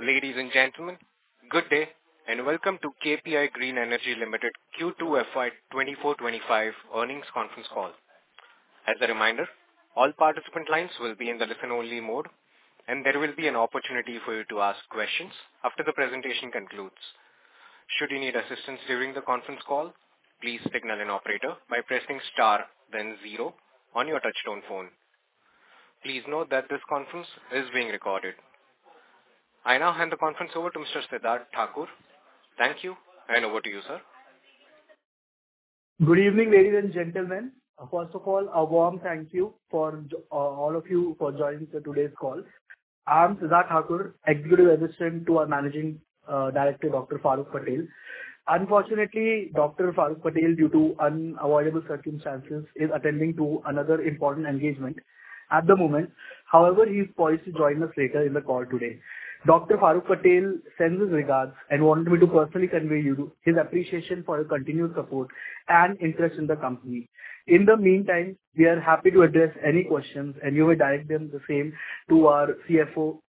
Ladies and gentlemen, good day and welcome to KPI Green Energy Limited Q2 FY 2024-2025 Earnings Conference Call. As a reminder, all participant lines will be in the listen-only mode, and there will be an opportunity for you to ask questions after the presentation concludes. Should you need assistance during the conference call, please signal an operator by pressing star, then zero on your touch-tone phone. Please note that this conference is being recorded. I now hand the conference over to Mr. Siddharth Thakur. Thank you, and over to you, sir. Good evening, ladies and gentlemen. First of all, a warm thank you for all of you for joining today's call. I'm Siddharth Thakur, Executive Assistant to our Managing Director, Dr. Faruk G. Patel. Unfortunately, Dr. Faruk G. Patel, due to unavoidable circumstances, is attending to another important engagement at the moment. However, he's poised to join us later in the call today. Dr. Faruk G. Patel sends his regards and wanted me to personally convey his appreciation for your continued support and interest in the company. In the meantime, we are happy to address any questions, and you may direct them the same to our CFO,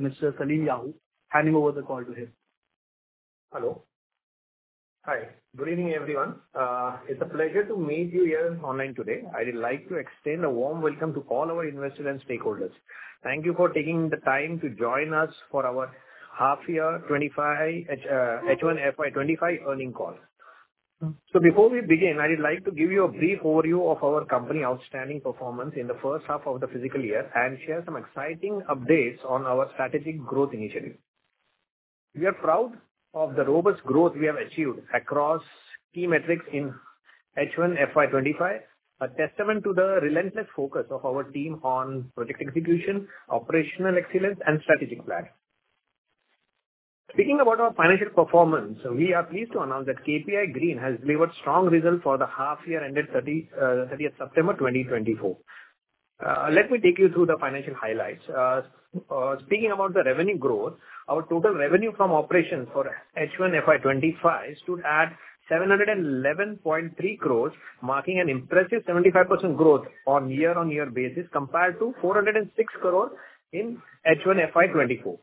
Mr. Salim Yahoo. Handing over the call to him. Hello. Hi. Good evening, everyone. It's a pleasure to meet you here online today. I'd like to extend a warm welcome to all our investors and stakeholders. Thank you for taking the time to join us for our half-year H1 FY 2025 earnings call. So before we begin, I'd like to give you a brief overview of our company's outstanding performance in the first half of the fiscal year and share some exciting updates on our strategic growth initiative. We are proud of the robust growth we have achieved across key metrics in H1 FY 2025, a testament to the relentless focus of our team on project execution, operational excellence, and strategic planning. Speaking about our financial performance, we are pleased to announce that KPI Green has delivered strong results for the half-year ended 30th September 2024. Let me take you through the financial highlights. Speaking about the revenue growth, our total revenue from operations for H1 FY 2025 stood at 711.3 crores, marking an impressive 75% growth on a year-on-year basis compared to 406 crores in H1 FY 2024.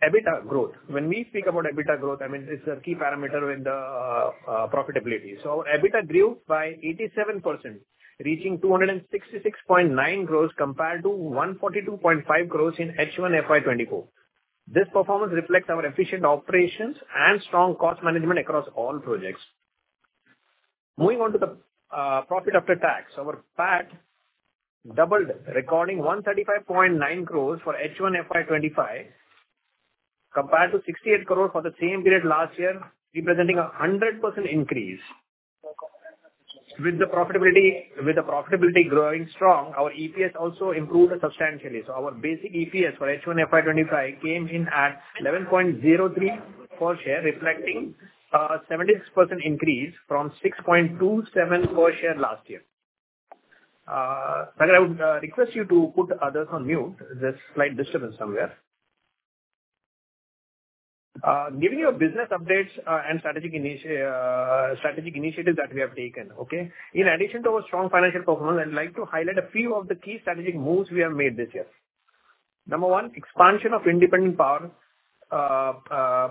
EBITDA growth. When we speak about EBITDA growth, I mean, it's a key parameter in the profitability. So EBITDA grew by 87%, reaching 266.9 crores compared to 142.5 crores in H1 FY 2024. This performance reflects our efficient operations and strong cost management across all projects. Moving on to the profit after tax, our PAT doubled, recording 135.9 crores for H1 FY 2025 compared to 68 crores for the same period last year, representing a 100% increase. With the profitability growing strong, our EPS also improved substantially. So our basic EPS for H1 FY 2025 came in at 11.03 per share, reflecting a 76% increase from 6.27 per share last year. I would request you to put others on mute. There's slight disturbance somewhere. Giving you business updates and strategic initiatives that we have taken. Okay. In addition to our strong financial performance, I'd like to highlight a few of the key strategic moves we have made this year. Number one, expansion of independent power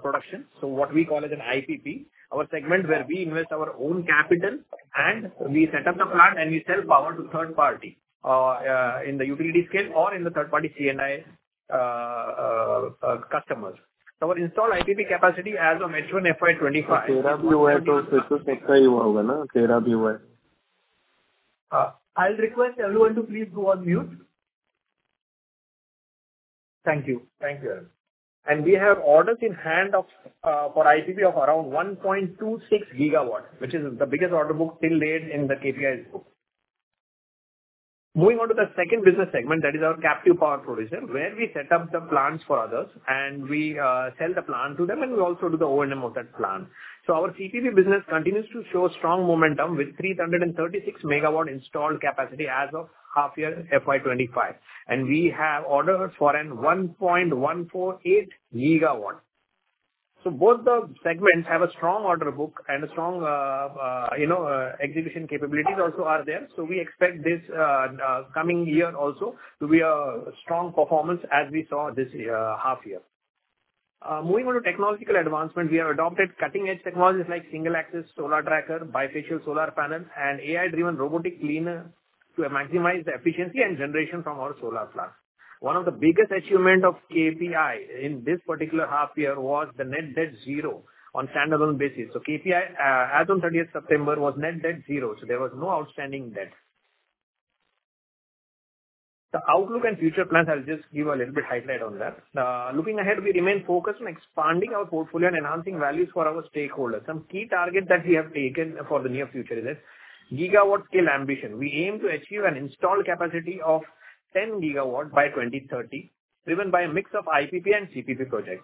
production. So what we call as an IPP, our segment where we invest our own capital and we set up the plant and we sell power to third party in the utility scale or in the third-party C&I customers. So our installed IPP capacity as of H1 FY 2025. 13 BY to 665 BY, right? I'll request everyone to please go on mute. Thank you. Thank you, and we have orders in hand for IPP of around 1.26 GW, which is the biggest order book still laid in the KPI's book. Moving on to the second business segment, that is our captive power producer, where we set up the plants for others and we sell the plant to them and we also do the O&M of that plant. So our CPP business continues to show strong momentum with 336MW installed capacity as of half-year FY 2025, and we have orders for 1.148 GW. So both the segments have a strong order book and a strong execution capability also are there, so we expect this coming year also to be a strong performance as we saw this half-year. Moving on to technological advancement, we have adopted cutting-edge technologies like single-axis solar tracker, bifacial solar panels, and AI-driven robotic cleaner to maximize the efficiency and generation from our solar plant. One of the biggest achievements of KPI in this particular half-year was the net debt zero on standalone basis. So KPI as of 30th September was net debt zero. So there was no outstanding debt. The outlook and future plans, I'll just give a little bit of a highlight on that. Looking ahead, we remain focused on expanding our portfolio and enhancing values for our stakeholders. Some key targets that we have taken for the near future is GW scale ambition. We aim to achieve an installed capacity of 10 GW by 2030, driven by a mix of IPP and CPP projects.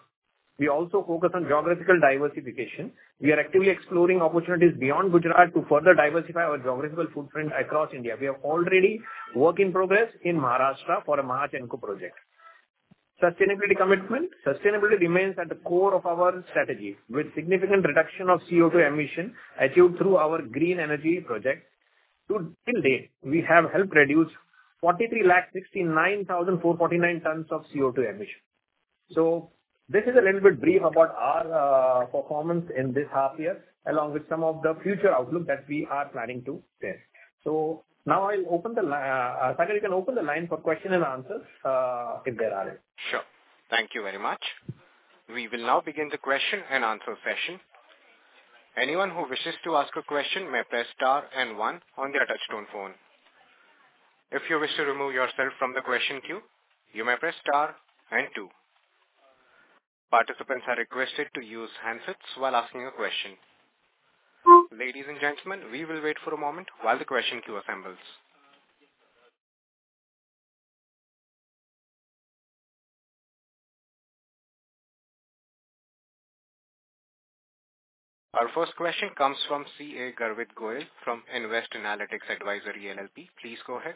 We also focus on geographical diversification. We are actively exploring opportunities beyond Gujarat to further diversify our geographical footprint across India. We have already work in progress in Maharashtra for a Mahagenco project. Sustainability commitment. Sustainability remains at the core of our strategy, with significant reduction of CO2 emission achieved through our green energy projects. To date, we have helped reduce 4,369,449 tons of CO2 emission. So this is a little bit brief about our performance in this half-year, along with some of the future outlook that we are planning to share. So now I'll open the second, you can open the line for questions and answers if there are. Sure. Thank you very much. We will now begin the question-and-answer session. Anyone who wishes to ask a question may press star and one on their touch-tone phone. If you wish to remove yourself from the question queue, you may press star and two. Participants are requested to use handsets while asking a question. Ladies and gentlemen, we will wait for a moment while the question queue assembles. Our first question comes from CA Garvit Goyal from Nvest Analytics Advisory LLP. Please go ahead.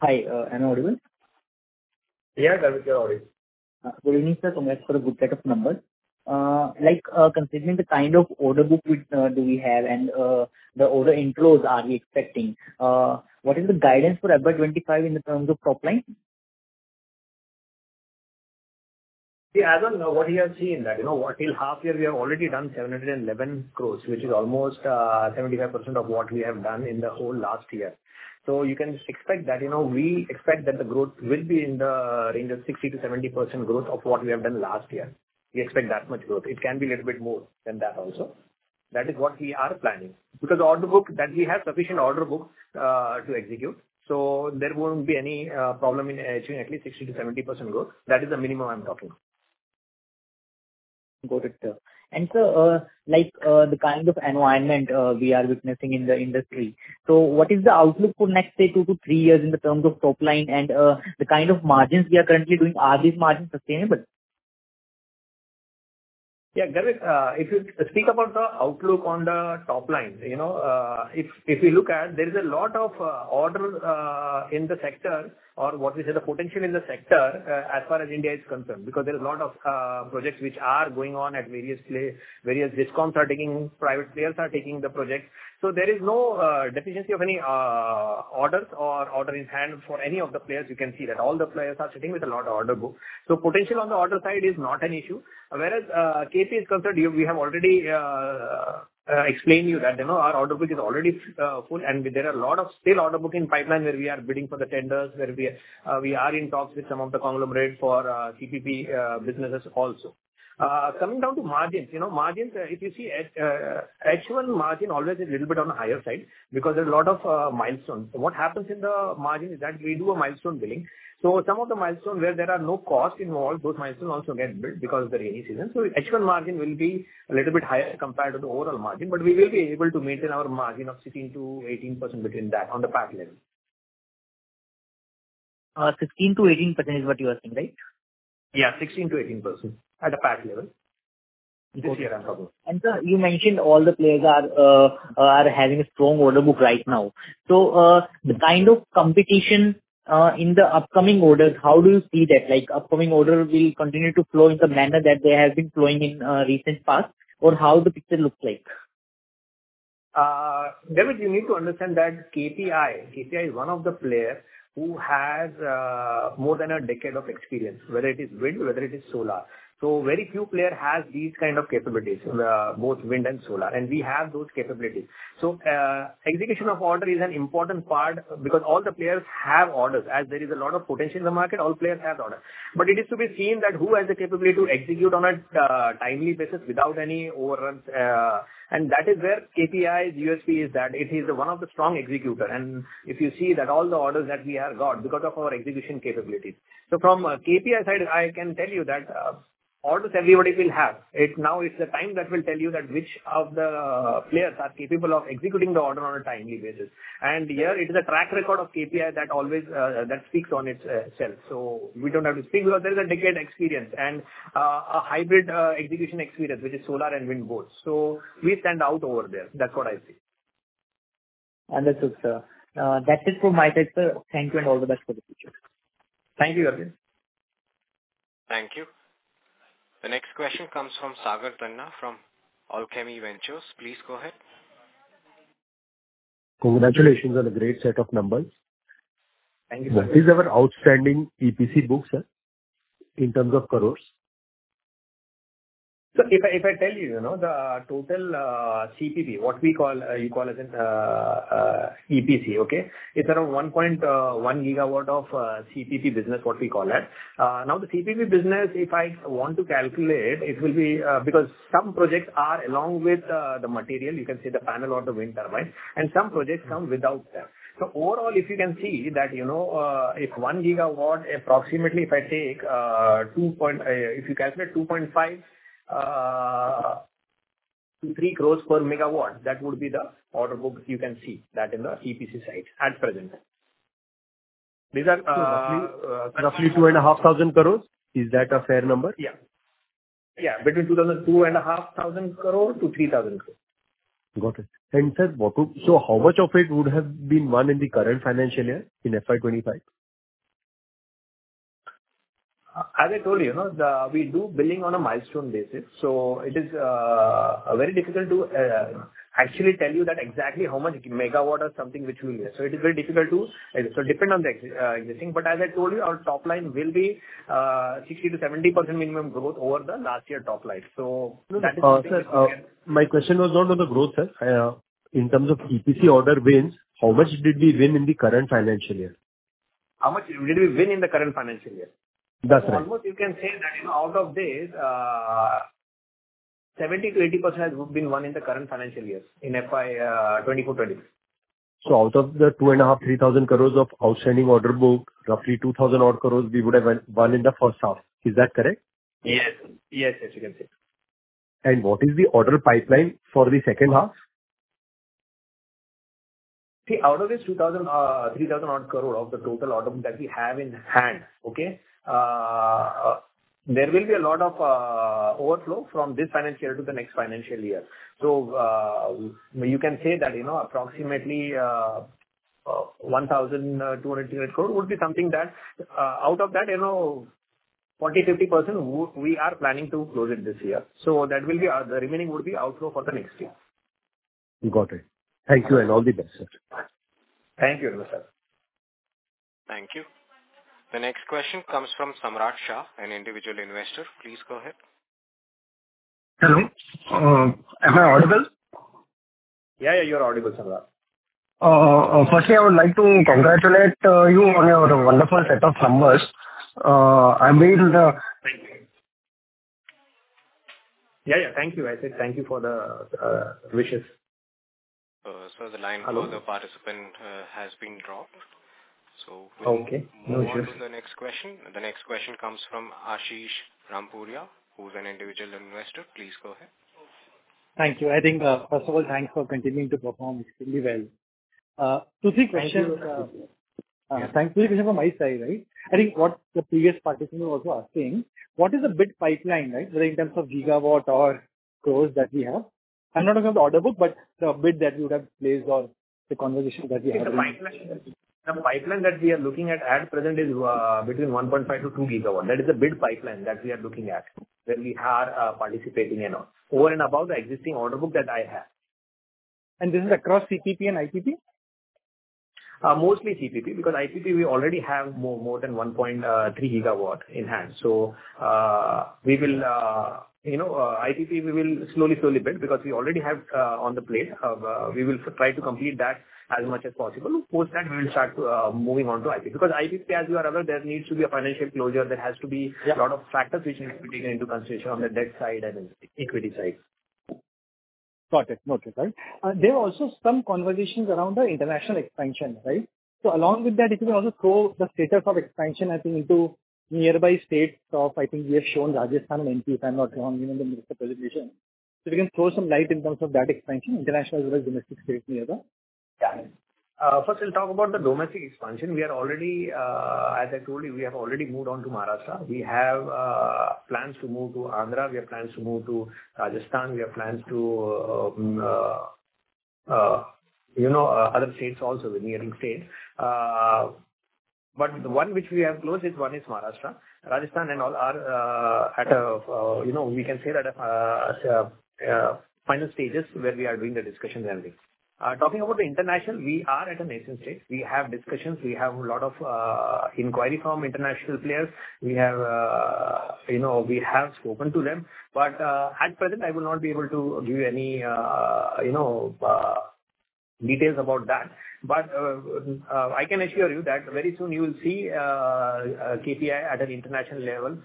Hi. Am I audible? Yeah, Garvit Goyal audible. We'll need to connect for a good set of numbers. Considering the kind of order book do we have and the order inflows are we expecting, what is the guidance for FY 2025 in terms of top line? See, as of now, what we have seen that until half-year, we have already done 711 crores, which is almost 75% of what we have done in the whole last year. So you can expect that we expect that the growth will be in the range of 60%-70% growth of what we have done last year. We expect that much growth. It can be a little bit more than that also. That is what we are planning. Because the order book that we have sufficient order book to execute, so there won't be any problem in achieving at least 60%-70% growth. That is the minimum I'm talking about. Got it. And sir, the kind of environment we are witnessing in the industry, so what is the outlook for next, say, two to three years in terms of top line and the kind of margins we are currently doing? Are these margins sustainable? Yeah, Garvit, if you speak about the outlook on the top line, if you look at, there is a lot of order in the sector or what we say the potential in the sector as far as India is concerned because there are a lot of projects which are going on at various places. Various discoms are taking private players are taking the projects. So there is no deficiency of any orders or order in hand for any of the players. You can see that all the players are sitting with a lot of order books. So potential on the order side is not an issue. Whereas KP is concerned, we have already explained to you that our order book is already full and there are a lot of still order book in pipeline where we are bidding for the tenders, where we are in talks with some of the conglomerates for CPP businesses also. Coming down to margins, margins, if you see, actual margin always is a little bit on the higher side because there are a lot of milestones. What happens in the margin is that we do a milestone billing. Some of the milestones where there are no costs involved, those milestones also get billed because of the rainy season. Actual margin will be a little bit higher compared to the overall margin, but we will be able to maintain our margin of 16%-18% between that on the PAT level. 16%-18% is what you are saying, right? Yeah, 16%-18% at a PAT level. Yes, I'm talking. Sir, you mentioned all the players are having a strong order book right now. The kind of competition in the upcoming orders, how do you see that upcoming order will continue to flow in the manner that they have been flowing in recent past, or how the picture looks like? Garrith, you need to understand that KPI, KPI is one of the players who has more than a decade of experience, whether it is wind, whether it is solar, so very few players have these kinds of capabilities, both wind and solar, and we have those capabilities. So execution of order is an important part because all the players have orders as there is a lot of potential in the market. All players have orders, but it is to be seen that who has the capability to execute on a timely basis without any overruns, and that is where KPI USP is that it is one of the strong executors, and if you see that all the orders that we have got because of our execution capabilities. So from KPI side, I can tell you that orders everybody will have. Now it's the time that will tell you which of the players are capable of executing the order on a timely basis, and here, it is a track record of KPI that always speaks on itself. So we don't have to speak because there is a decade experience and a hybrid execution experience, which is solar and wind both. So we stand out over there. That's what I see. Understood, sir. That's it from my side, sir. Thank you and all the best for the future. Thank you, Garvit. Thank you. The next question comes from Sagar Tanna from Alchemy Ventures. Please go ahead. Congratulations on a great set of numbers. Thank you, sir. This is our outstanding EPC book, sir, in terms of crores. So if I tell you the total CPP, what we call, you call as an EPC, okay, it's around 1.1 GW of CPP business, what we call that. Now, the CPP business, if I want to calculate, it will be because some projects are along with the material. You can see the panel or the wind turbines, and some projects come without that. So overall, if you can see that if 1 GW, approximately, if I take 2.5 crore-3 crore per MW, that would be the order book you can see that in the EPC site at present. Roughly 2,500 crores. Is that a fair number? Yeah. Yeah, between 2,500 and 3,000 crores. Got it. And sir, so how much of it would have been done in the current financial year in FY 2025? As I told you, we do billing on a milestone basis. So it is very difficult to actually tell you that exactly how much MW or something which we will get. So it is very difficult to depend on the existing. But as I told you, our top line will be 60%-70% minimum growth over the last year top line. So that is the. My question was not on the growth, sir. In terms of EPC order wins, how much did we win in the current financial year? How much did we win in the current financial year? That's right. Almost, you can say that out of this, 70%-80% has been won in the current financial year in FY 2024-26. Out of the 2,500 crore-3,000 crores of outstanding order book, roughly 2,000 odd crores, we would have won in the first half. Is that correct? Yes. Yes, yes, you can say. What is the order pipeline for the second half? See, out of this 2,000 crore-3,000-odd crores of the total order book that we have in hand, okay, there will be a lot of overflow from this financial year to the next financial year. So you can say that approximately 1,200 crores would be something that out of that, 40%-50%, we are planning to close it this year. So that will be the remaining would be outflow for the next year. Got it. Thank you and all the best, sir. Thank you, sir. Thank you. The next question comes from Samrat Shah, an individual investor. Please go ahead. Hello. Am I audible? Yeah, yeah, you're audible, Samrat. Firstly, I would like to congratulate you on your wonderful set of numbers. I will. Thank you. Yeah, yeah, thank you. I said thank you for the wishes. So the line for the participant has been dropped. So we'll move on to the next question. The next question comes from Ashish Rampuria, who's an individual investor. Please go ahead. Thank you. I think, first of all, thanks for continuing to perform extremely well. Two-three questions. Thank you. Thank you for my side, right? I think what the previous participant was also asking, what is the bid pipeline, right, whether in terms of GW or crores that we have? I'm not talking about the order book, but the bid that we would have placed or the conversation that we have. The pipeline that we are looking at present is between 1.5-2 GW. That is the bid pipeline that we are looking at, where we are participating in, over and above the existing order book that I have. And this is across CPP and IPP? Mostly CPP because IPP, we already have more than 1.3 GW in hand. So we will IPP, we will slowly, slowly bid because we already have on the plate. We will try to complete that as much as possible. Post that, we will start moving on to IPP. Because IPP, as you are aware, there needs to be a financial closure. There has to be a lot of factors which need to be taken into consideration on the debt side and equity side. Got it. Okay, sorry. There are also some conversations around the international expansion, right? So along with that, if you can also throw the status of expansion, I think, into nearby states of, I think, we have shown Rajasthan and MP if I'm not wrong in the presentation. So we can throw some light in terms of that expansion, international as well as domestic states near there. Yeah. First, we'll talk about the domestic expansion. We are already, as I told you, we have already moved on to Maharashtra. We have plans to move to Andhra. We have plans to move to Rajasthan. We have plans to other states also, the neighbouring states. But the one which we have closed is Maharashtra. Rajasthan and all are at, we can say, final stages where we are doing the discussions and things. Talking about the international, we are at a nascent stage. We have discussions. We have a lot of inquiry from international players. We have spoken to them. But at present, I will not be able to give you any details about that. But I can assure you that very soon you will see KPI at an international level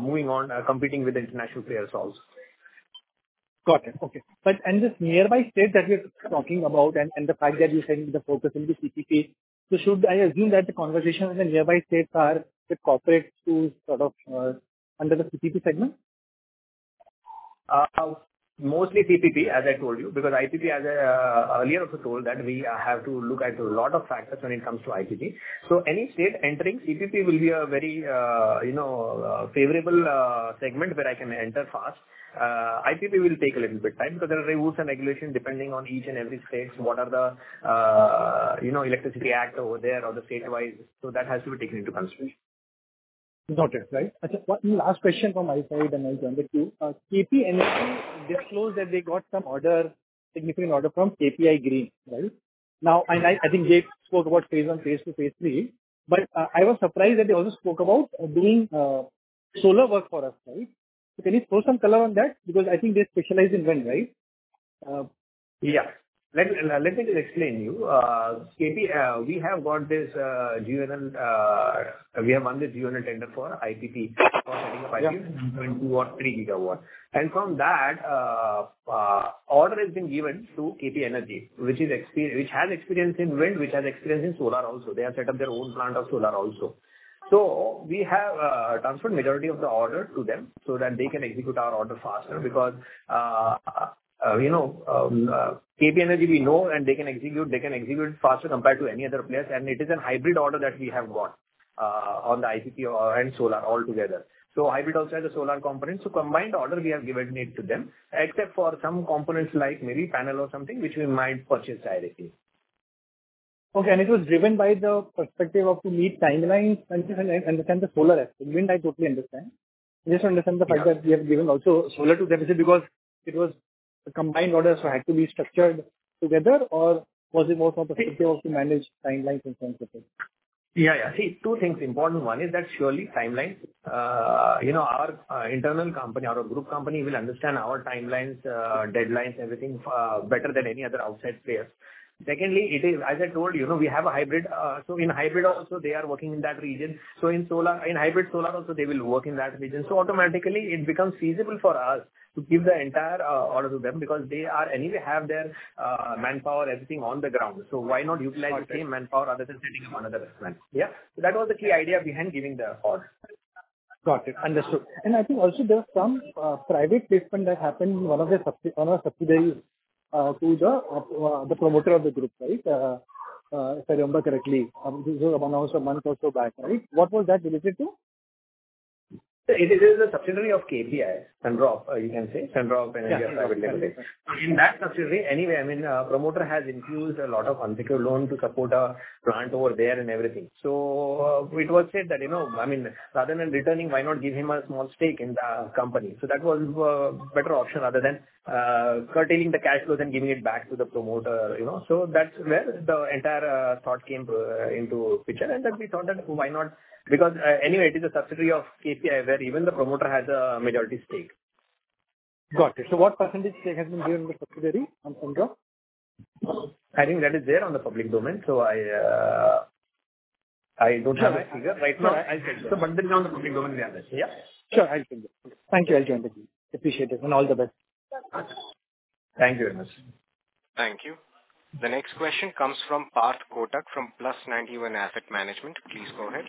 moving on, competing with international players also. Got it. Okay. And this nearby state that we're talking about and the fact that you said the focus in the CPP, so should I assume that the conversations in the nearby states are with corporates who sort of under the CPP segment? Mostly CPP, as I told you, because IPP has earlier also told that we have to look at a lot of factors when it comes to IPP. So any state entering CPP will be a very favorable segment where I can enter fast. IPP will take a little bit of time because there are rules and regulations depending on each and every state. What are the electricity act over there or the statewide? So that has to be taken into consideration. Got it, right? One last question from my side and I'll turn back to you. KP Energy just closed that they got some order, significant order from KPI Green, right? Now, and I think they spoke about phase one, phase two, phase three, but I was surprised that they also spoke about doing solar work for us, right? So can you throw some color on that? Because I think they specialize in wind, right? Yeah. Let me just explain to you. We have got this GUVNL. We have won this GUVNL tender for IPP for setting up IPP two or three GW. And from that, order has been given to KP Energy, which has experience in wind, which has experience in solar also. They have set up their own plant of solar also. So we have transferred majority of the order to them so that they can execute our order faster because KP Energy, we know, and they can execute. They can execute faster compared to any other players. And it is a hybrid order that we have got on the IPP and solar altogether. So hybrid also has a solar component. So combined order, we have given it to them, except for some components like maybe panel or something, which we might purchase directly. Okay. And it was driven by the perspective of to meet timelines and to understand the solar aspect. Wind, I totally understand. Just to understand the fact that you have given also solar to them because it was a combined order, so it had to be structured together, or was it more from the perspective of to manage timelines in terms of it? Yeah, yeah. See, two things. Important one is that surely timelines. Our internal company or a group company will understand our timelines, deadlines, everything better than any other outside players. Secondly, as I told you, we have a hybrid. So in hybrid also, they are working in that region. So in hybrid solar also, they will work in that region. So automatically, it becomes feasible for us to give the entire order to them because they are anyway have their manpower, everything on the ground. So why not utilize the same manpower other than setting up another expense? Yeah. So that was the key idea behind giving the order. Got it. Understood. And I think also there are some private placement that happened in one of the subsidiaries to the promoter of the group, right? If I remember correctly, this was about almost a month or so back, right? What was that related to? It is a subsidiary of KPI, Sun Drops, you can say, Sundrops Energy Private Limited. So in that subsidiary, anyway, I mean, promoter has infused a lot of unsecured loan to support a plant over there and everything. So it was said that, I mean, rather than returning, why not give him a small stake in the company? So that was a better option rather than curtailing the cash flows and giving it back to the promoter. So that's where the entire thought came into picture. And then we thought that why not because anyway, it is a subsidiary of KPI where even the promoter has a majority stake. Got it. So what percentage stake has been given to the subsidiary on Sun Drops? I think that is there in the public domain. So I don't have a figure right now. Sure. I'll send you. But it's on the public domain we have there. Yeah? Sure. I'll send you. Thank you. I'll join the team. Appreciate it. And all the best. Thank you very much. Thank you. The next question comes from Parth Kotak from Plus91 Asset Management. Please go ahead.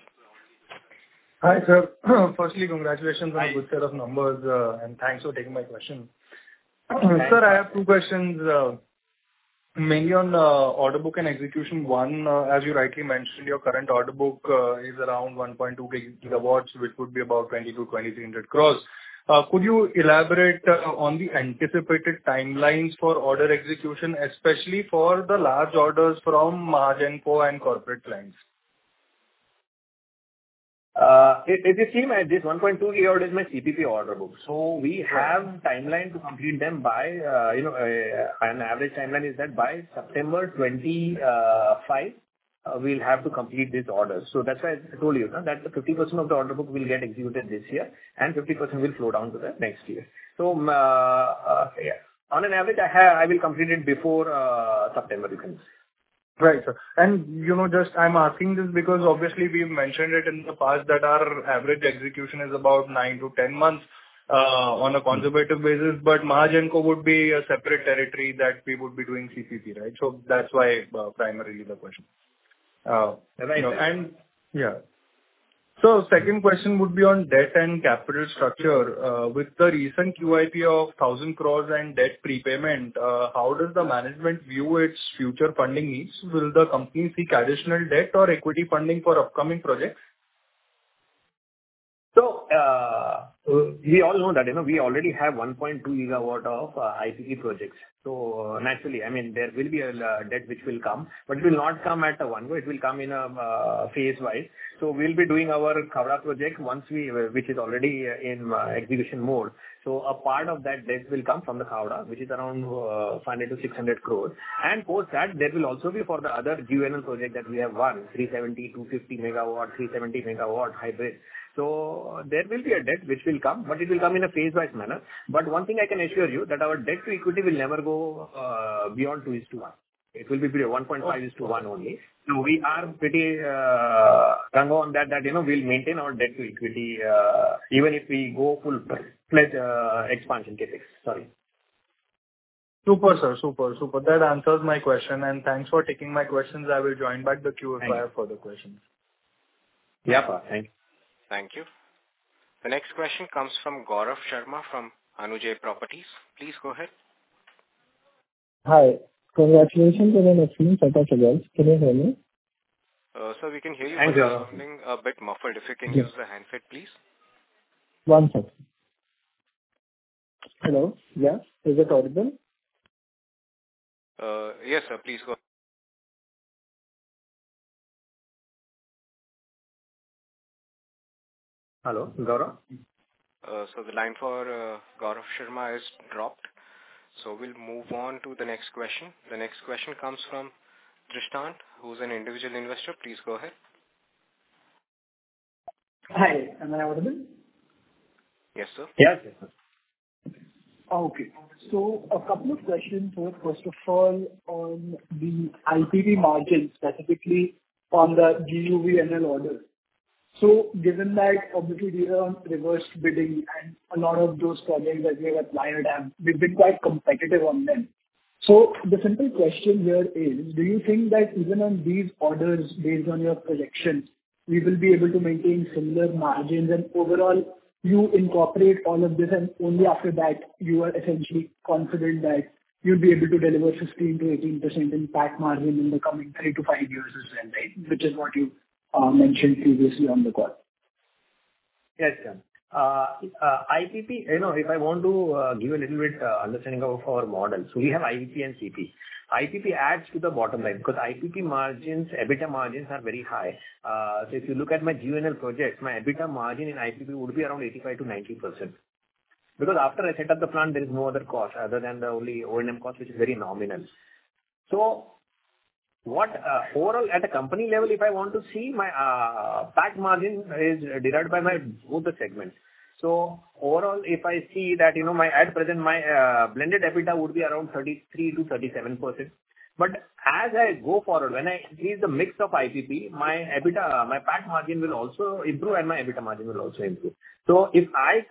Hi, sir. Firstly, congratulations on a good set of numbers, and thanks for taking my question. Sir, I have two questions, mainly on the order book and execution. One, as you rightly mentioned, your current order book is around 1.2 GW, which would be about 2,230 crores. Could you elaborate on the anticipated timelines for order execution, especially for the large orders from Mahagenco and corporate clients? It seems that this 1.2 GW is my CPP order book. So we have timeline to complete them by. An average timeline is that by September 25, we'll have to complete this order. So that's why I told you that 50% of the order book will get executed this year, and 50% will flow down to the next year. So on an average, I will complete it before September, you can say. Right, sir. And just I'm asking this because obviously we've mentioned it in the past that our average execution is about nine-10 months on a conservative basis, but Mahagenco would be a separate territory that we would be doing CPP, right? So that's why primarily the question. And yeah. So second question would be on debt and capital structure. With the recent QIP of 1,000 crores and debt prepayment, how does the management view its future funding needs? Will the company seek additional debt or equity funding for upcoming projects? We all know that we already have 1.2 GW of IPP projects. Naturally, I mean, there will be a debt which will come, but it will not come at a one-way. It will come in a phase-wise. We'll be doing our Khavda project, which is already in execution mode. A part of that debt will come from the Khavda, which is around 500 crore-600 crore. And post that, there will also be for the other GUVNL project that we have won, 370, 250 MW, 370 MW hybrid. There will be a debt which will come, but it will come in a phase-wise manner. One thing I can assure you that our debt to equity will never go beyond 2:1. It will be 1.5:1 only. We are pretty strong on that we'll maintain our debt-to-equity even if we go full expansion KPI's. Sorry. Super, sir. Super, super. That answers my question. And thanks for taking my questions. I will join back the queue if I have further questions. Yeah, pa. Thank you. Thank you. The next question comes from Gaurav Sharma from Anujay Properties. Please go ahead. Hi. Congratulations on an excellent setup, Shabhans. Can you hear me? Sir, we can hear you. Thank you. You're sounding a bit muffled. If you can use the handset, please. One sec. Hello? Yeah? Is it audible? Yes, sir. Please go ahead. Hello, Gaurav? So the line for Gaurav Sharma has dropped. So we'll move on to the next question. The next question comes from Tristan, who's an individual investor. Please go ahead. Hi. Can I have your name? Yes, sir. Yes, yes, sir. Okay. So a couple of questions here. First of all, on the IPP margin, specifically on the GUVNL order. So given that obviously we are on reverse bidding and a lot of those projects that we have applied at, we've been quite competitive on them. So the simple question here is, do you think that even on these orders, based on your projections, we will be able to maintain similar margins and overall you incorporate all of this and only after that you are essentially confident that you'll be able to deliver 15%-18% in PAT margin in the coming three to five years as well, right? Which is what you mentioned previously on the call. Yes, sir. IPP, if I want to give a little bit understanding of our model. So we have IPP and CPP. IPP adds to the bottom line because IPP margins, EBITDA margins are very high. So if you look at my GUVNL project, my EBITDA margin in IPP would be around 85%-90%. Because after I set up the plant, there is no other cost other than the only O&M cost, which is very nominal. So overall, at a company level, if I want to see my PAT margin is derived by both the segments. So overall, if I see that at present, my blended EBITDA would be around 33%-37%. But as I go forward, when I increase the mix of IPP, my PAT margin will also improve and my EBITDA margin will also improve. So my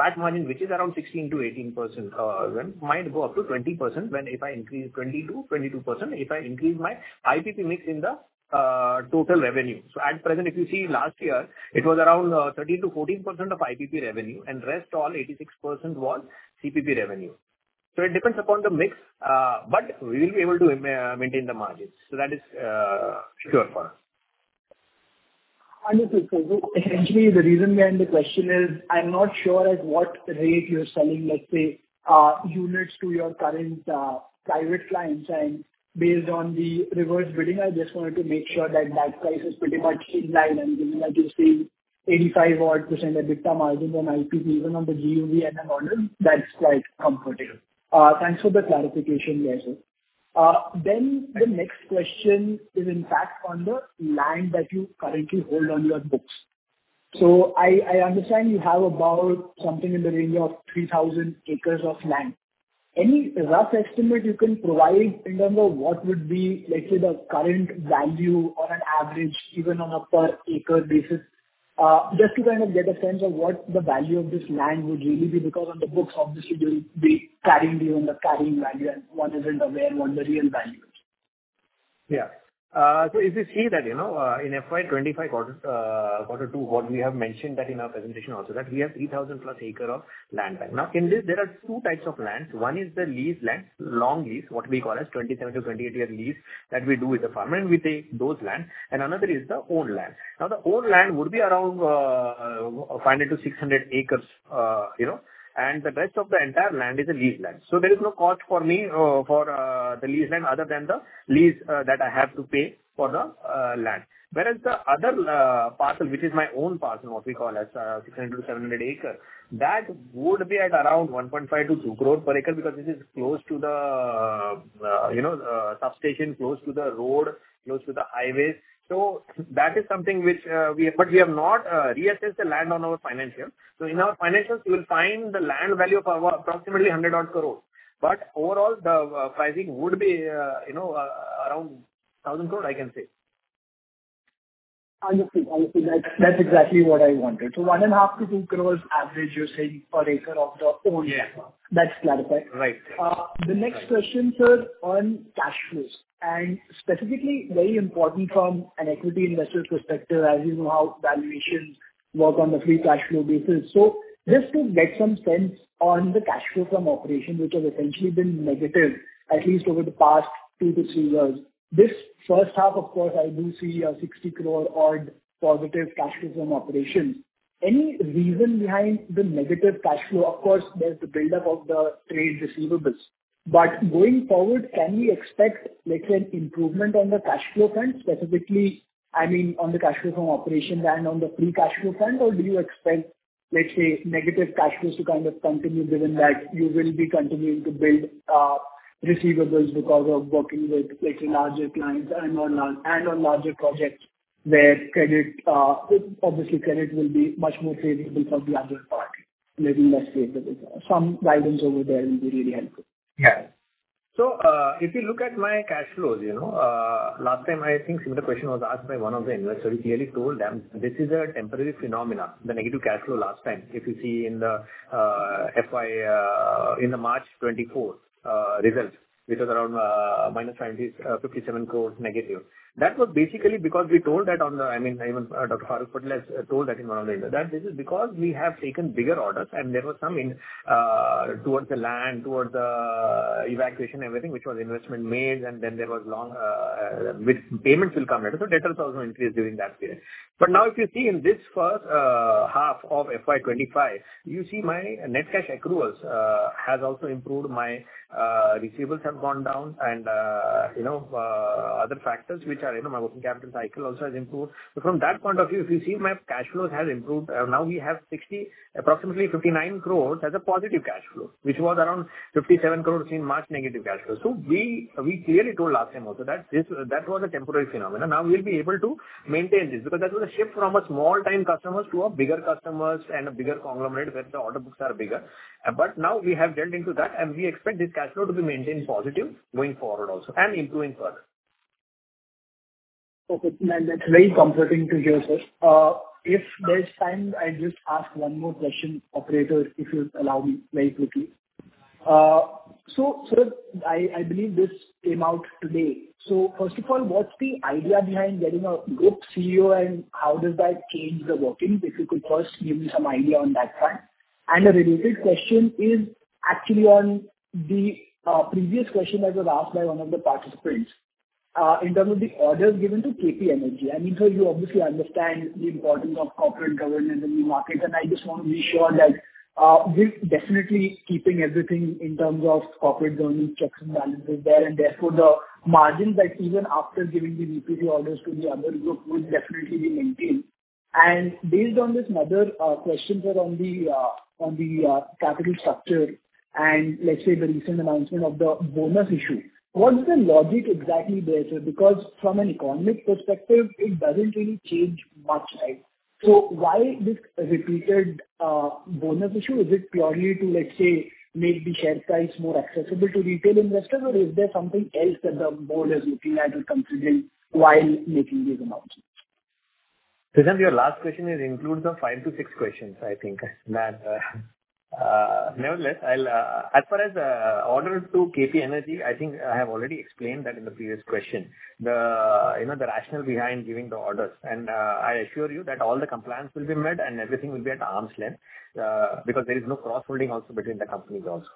PAT margin, which is around 16-18%, might go up to 20-22% if I increase my IPP mix in the total revenue. So at present, if you see last year, it was around 13-14% of IPP revenue and rest all 86% was CPP revenue. So it depends upon the mix, but we will be able to maintain the margins. So that is sure for us. Understood. So essentially, the reason behind the question is I'm not sure at what rate you're selling, let's say, units to your current private clients. And based on the reverse bidding, I just wanted to make sure that that price is pretty much in line and given that you see 85% EBITDA margin on IPP even on the GUVNL order, that's quite comfortable. Thanks for the clarification there, sir. Then the next question is, in fact, on the land that you currently hold on your books. So I understand you have about something in the range of 3,000 acres of land. Any rough estimate you can provide in terms of what would be, let's say, the current value on an average, even on a per-acre basis, just to kind of get a sense of what the value of this land would really be? Because on the books, obviously, they'll be carrying you on the carrying value, and one isn't aware of what the real value is. Yeah. So if you see that in FY 2025, quarter two, what we have mentioned that in our presentation also that we have 8,000 plus acre of land. Now, in this, there are two types of lands. One is the lease land, long lease, what we call as 27 to 28-year lease that we do with the farmer, and we take those lands. And another is the owned land. Now, the owned land would be around 500 to 600 acres, and the rest of the entire land is a lease land. So there is no cost for me for the lease land other than the lease that I have to pay for the land. Whereas the other parcel, which is my own parcel, what we call as 600-700 acres, that would be at around 1.5 crores-2 crores per acre because this is close to the substation, close to the road, close to the highways. So that is something which we have, but we have not reassessed the land on our financial. So in our financials, you will find the land value of approximately 100-odd crores. But overall, the pricing would be around 1,000 crores, I can say. Understood. Understood. That's exactly what I wanted. So 1.5 crores-2 crores average, you're saying, per acre of the owned land. That's clarified. Right. The next question, sir, on cash flows. And specifically, very important from an equity investor's perspective, as you know how valuations work on the free cash flow basis. So just to get some sense on the cash flow from operations, which has essentially been negative, at least over the past two to three years. This first half, of course, I do see a 60 crore-odd positive cash flow from operations. Any reason behind the negative cash flow? Of course, there's the buildup of the trade receivables. But going forward, can we expect, let's say, an improvement on the cash flow front, specifically, I mean, on the cash flow from operation and on the free cash flow front? Or do you expect, let's say, negative cash flows to kind of continue given that you will be continuing to build receivables because of working with larger clients and on larger projects where credit, obviously, credit will be much more favorable for the other party, maybe less favorable? Some guidance over there will be really helpful. Yeah. So if you look at my cash flows, last time, I think similar question was asked by one of the investors. We clearly told them this is a temporary phenomenon, the negative cash flow last time. If you see in the March 2024 results, which was around minus 57 crores negative. That was basically because we told that on the, I mean, even Dr. Faruk Patel has told that in one of the interviews that this is because we have taken bigger orders, and there was some towards the land, towards the evacuation, everything, which was investment made, and then there was long payments will come later. So debt has also increased during that period. But now, if you see in this first half of FY 2025, you see my net cash accruals has also improved. My receivables have gone down, and other factors, which are my working capital cycle also has improved. So from that point of view, if you see my cash flows have improved. Now we have approximately 59 crores as a positive cash flow, which was around 57 crores in March negative cash flow. So we clearly told last time also that that was a temporary phenomenon. Now, we'll be able to maintain this because that was a shift from small-time customers to bigger customers and a bigger conglomerate where the order books are bigger. But now we have delved into that, and we expect this cash flow to be maintained positive going forward also and improving further. Okay. That's very comforting to hear, sir. If there's time, I just ask one more question, operator, if you allow me very quickly. So I believe this came out today. So first of all, what's the idea behind getting a good CEO, and how does that change the working? If you could first give me some idea on that front. And a related question is actually on the previous question that was asked by one of the participants. In terms of the orders given to KP Energy, I mean, sir, you obviously understand the importance of corporate governance in the market, and I just want to be sure that we're definitely keeping everything in terms of corporate governance checks and balances there. And therefore, the margins that even after giving the IPP orders to the other group would definitely be maintained. Based on this another question, sir, on the capital structure and, let's say, the recent announcement of the bonus issue, what is the logic exactly there, sir? Because from an economic perspective, it doesn't really change much, right? Why this repeated bonus issue? Is it purely to, let's say, make the share price more accessible to retail investors, or is there something else that the board is looking at or considering while making these announcements? To them, your last question includes the five to six questions, I think. Nevertheless, as far as orders to KP Energy, I think I have already explained that in the previous question, the rationale behind giving the orders, and I assure you that all the compliance will be met, and everything will be at arm's length because there is no cross-holding also between the companies also.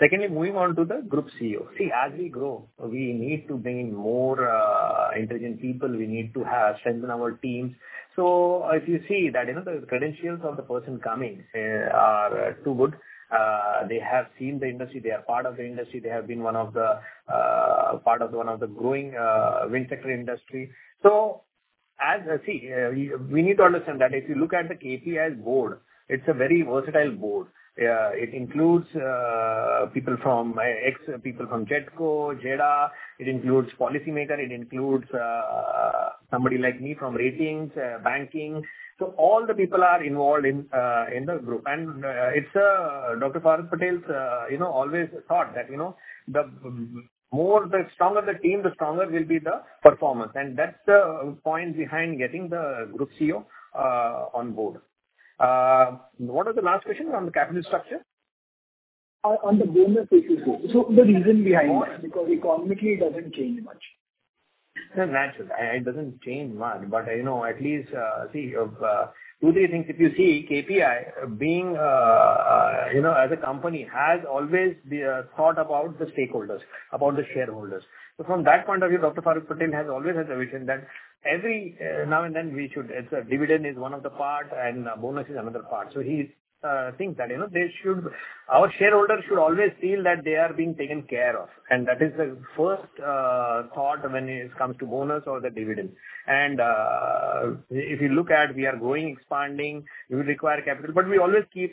Secondly, moving on to the group CEO. See, as we grow, we need to bring in more intelligent people. We need to strengthen our teams, so if you see that the credentials of the person coming are too good, they have seen the industry, they are part of the industry, they have been one of the part of one of the growing wind sector industry. As I see, we need to understand that if you look at the KPI board, it's a very versatile board. It includes people from GETCO, GEDA. It includes policymakers. It includes somebody like me from ratings, banking. So all the people are involved in the group. And it's Dr. Faruk G. Patel has always thought that the stronger the team, the stronger will be the performance. And that's the point behind getting the group CEO on board. What was the last question on the capital structure? On the bonus issue, sir. So the reason behind that, because economically, it doesn't change much. Naturally, it doesn't change much, but at least, see, two or three things. If you see KPI, as a company, has always thought about the stakeholders, about the shareholders. So from that point of view, Dr. Faruk Patel has always had the vision that every now and then, we should. It's a dividend is one of the parts, and bonus is another part. So he thinks that our shareholders should always feel that they are being taken care of. And that is the first thought when it comes to bonus or the dividend. And if you look at, we are growing, expanding, we would require capital. But we always keep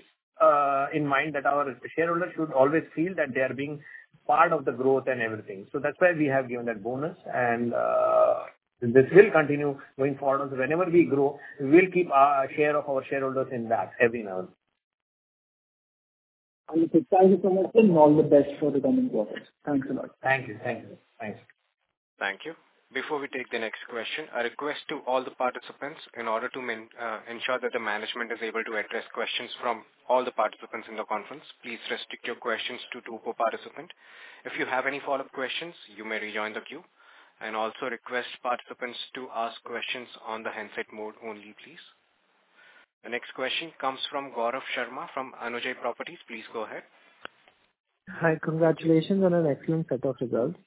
in mind that our shareholders should always feel that they are being part of the growth and everything. So that's why we have given that bonus, and this will continue going forward. So, whenever we grow, we will keep our share of our shareholders in that every now and then. Understood. Thank you so much, sir, and all the best for the coming quarter. Thanks a lot. Thank you. Thank you. Thanks. Thank you. Before we take the next question, a request to all the participants. In order to ensure that the management is able to address questions from all the participants in the conference, please restrict your questions to two per participant. If you have any follow-up questions, you may rejoin the queue, and also request participants to ask questions on the handset mode only, please. The next question comes from Gaurav Sharma from Anujay Properties. Please go ahead. Hi. Congratulations on an excellent set of results.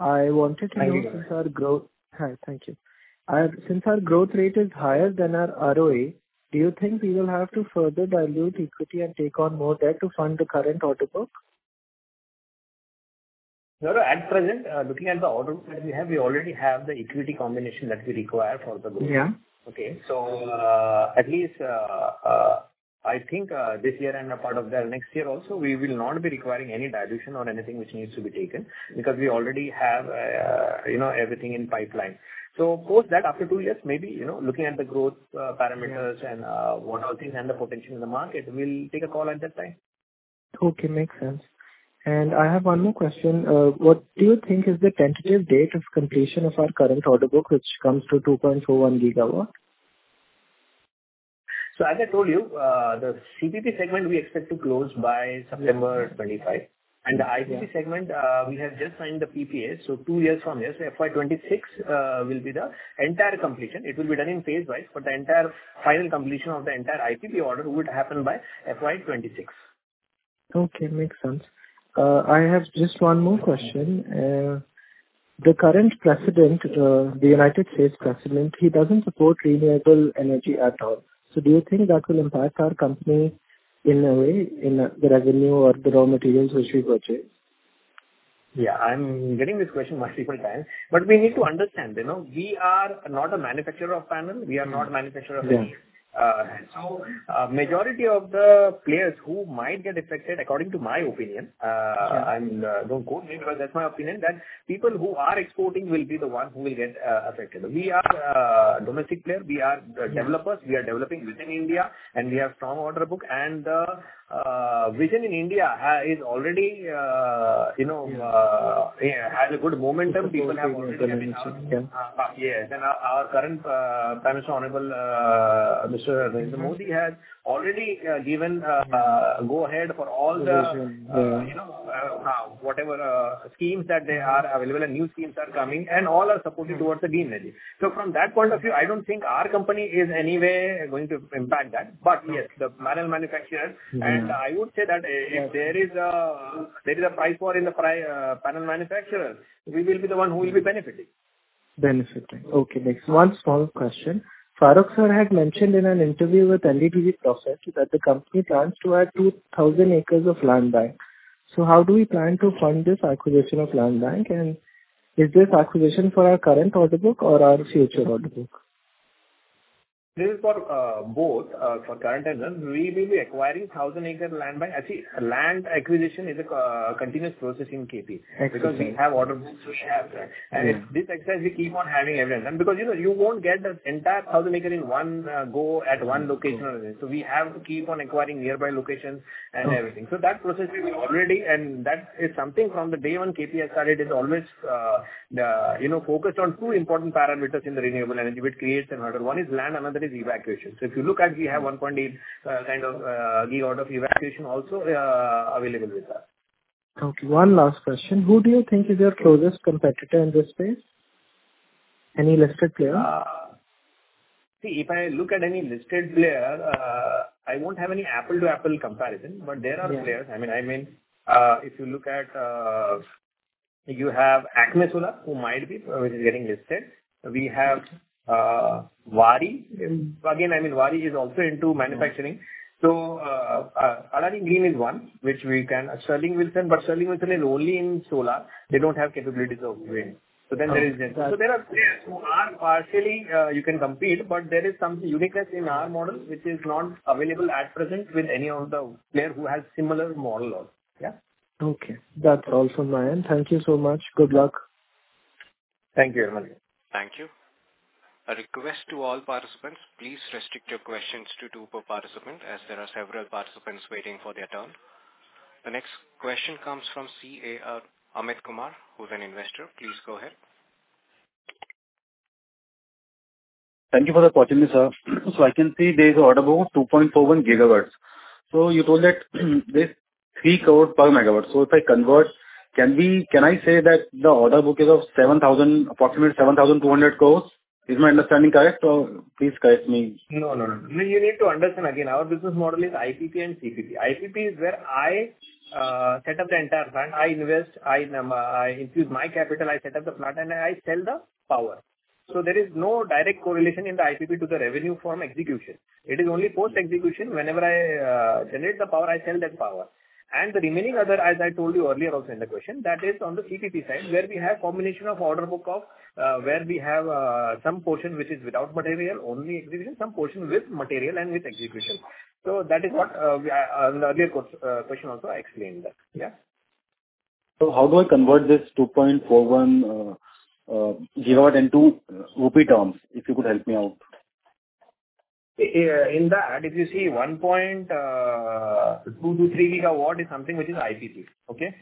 I wanted to know since our growth. Hi. Hi. Thank you. Since our growth rate is higher than our ROA, do you think we will have to further dilute equity and take on more debt to fund the current order book? No, no. At present, looking at the order book that we have, we already have the equity combination that we require for the book. Okay. So at least I think this year and a part of the next year also, we will not be requiring any dilution or anything which needs to be taken because we already have everything in pipeline. So post that, after two years, maybe looking at the growth parameters and what all things and the potential in the market, we'll take a call at that time. Okay. Makes sense. And I have one more question. What do you think is the tentative date of completion of our current order book, which comes to 2.41 GW? So as I told you, the CPP segment, we expect to close by September 25. And the IPP segment, we have just signed the PPA. So two years from here, so FY 2026 will be the entire completion. It will be done in phase-wise, but the entire final completion of the entire IPP order would happen by FY 2026. Okay. Makes sense. I have just one more question. The current president, the United States president, he doesn't support renewable energy at all. So do you think that will impact our company in a way in the revenue or the raw materials which we purchase? Yeah. I'm getting this question multiple times, but we need to understand. We are not a manufacturer of panel. We are not a manufacturer of any hands. So majority of the players who might get affected, according to my opinion, I don't quote because that's my opinion, that people who are exporting will be the ones who will get affected. We are a domestic player. We are developers. We are developing within India, and we have strong order book, and the vision in India is already has a good momentum. People have already mentioned. Yeah, and our current Prime Minister, Honorable Mr. Modi, has already given a go-ahead for all the whatever schemes that they are available and new schemes are coming, and all are supported towards the green energy. So from that point of view, I don't think our company is anyway going to impact that. But yes, the panel manufacturers, and I would say that if there is a price war in the panel manufacturers, we will be the one who will be benefiting. Benefiting. Okay. Thanks. One small question. Faruk, sir, had mentioned in an interview with NDTV Profit that the company plans to add 2,000 acres of land bank. So how do we plan to fund this acquisition of land bank? And is this acquisition for our current order book or our future order book? This is for both. For current and we will be acquiring 1,000-acre land bank. Actually, land acquisition is a continuous process in KP because we have order books which have that. And this exercise, we keep on having every now and then because you won't get the entire 1,000-acre in one go at one location or anything. So we have to keep on acquiring nearby locations and everything. So that process we already, and that is something from the day when KP has started, is always focused on two important parameters in the renewable energy which creates an order. One is land, another is evacuation. So if you look at, we have 1.8 kind of GW of evacuation also available with us. Okay. One last question. Who do you think is your closest competitor in this space? Any listed player? See, if I look at any listed player, I won't have any apple-to-apple comparison, but there are players. I mean, if you look at, you have Acme Solar, who might be, which is getting listed. We have Waaree. Again, I mean, Waaree is also into manufacturing. So Adani Green is one, which we can Sterling and Wilson, but Sterling and Wilson is only in solar. They don't have capabilities of wind. So then there is this. So there are players who are partially you can compete, but there is some uniqueness in our model, which is not available at present with any of the players who have similar model also. Yeah. Okay. That's all from my end. Thank you so much. Good luck. Thank you. Thank you. A request to all participants, please restrict your questions to two per participant as there are several participants waiting for their turn. The next question comes from CA Amit Kumar, who's an investor. Please go ahead. Thank you for the opportunity, sir. So I can see there is an order book of 2.41 GW. So you told that there's 3 crores per MW. So if I convert, can I say that the order book is of approximatelyINR 7,200 crores? Is my understanding correct? So please correct me. No, no, no. You need to understand again, our business model is IPP and CPP. IPP is where I set up the entire plant. I invest, I infuse my capital, I set up the plant, and I sell the power. So there is no direct correlation in the IPP to the revenue from execution. It is only post-execution. Whenever I generate the power, I sell that power. And the remaining other, as I told you earlier also in the question, that is on the CPP side where we have a combination of order book of where we have some portion which is without material, only execution, some portion with material, and with execution. So that is what in the earlier question also I explained that. Yeah. How do I convert this 2.41 GW into rupee terms if you could help me out? In the add, if you see 1.223 GW is something which is IPP. Okay?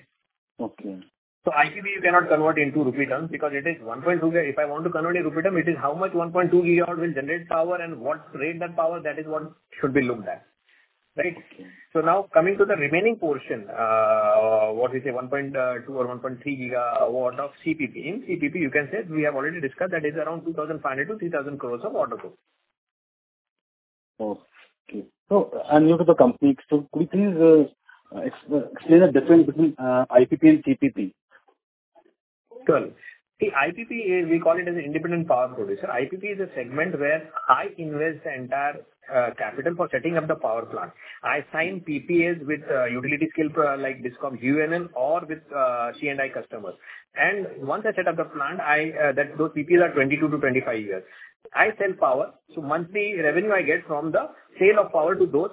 Okay. So IPP, you cannot convert into rupee terms because it is 1.2. If I want to convert it into rupee term, it is how much 1.2 GW will generate power and what rate that power, that is what should be looked at. Right? So now coming to the remaining portion, what we say 1.2 or 1.3 GW of CPP. In CPP, you can say we have already discussed that is around 2,500 crores-3,000 crores of order book. Okay. So I'm looking at the company, so could you please explain the difference between IPP and CPP? Sure. See, IPP, we call it as an independent power producer. IPP is a segment where I invest the entire capital for setting up the power plant. I sign PPAs with utility scale like DISCOM, GUVNL, or with C&I customers. And once I set up the plant, those PPAs are 22-25 years. I sell power. So monthly revenue I get from the sale of power to those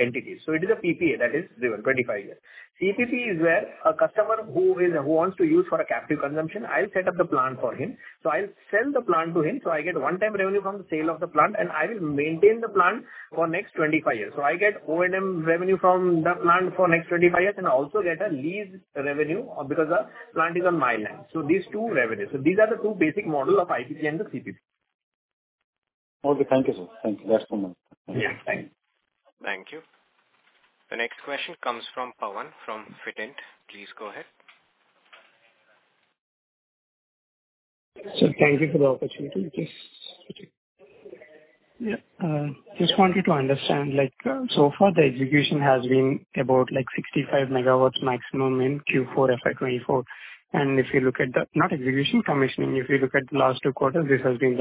entities. So it is a PPA that is given 25 years. CPP is where a customer who wants to use for a captive consumption, I'll set up the plant for him. So I'll sell the plant to him. So I get one-time revenue from the sale of the plant, and I will maintain the plant for the next 25 years. So I get O&M revenue from the plant for the next 25 years and also get a lease revenue because the plant is on my land. So these two revenues. So these are the two basic models of IPP and the CPP. Okay. Thank you, sir. Thank you. That's too much. Yeah. Thank you. Thank you. The next question comes from Pawan from Fitint. Please go ahead. Sir, thank you for the opportunity. Just wanted to understand, so far, the execution has been about 65MW maximum in Q4 FY 2024. And if you look at the not execution commissioning, if you look at the last two quarters, this has been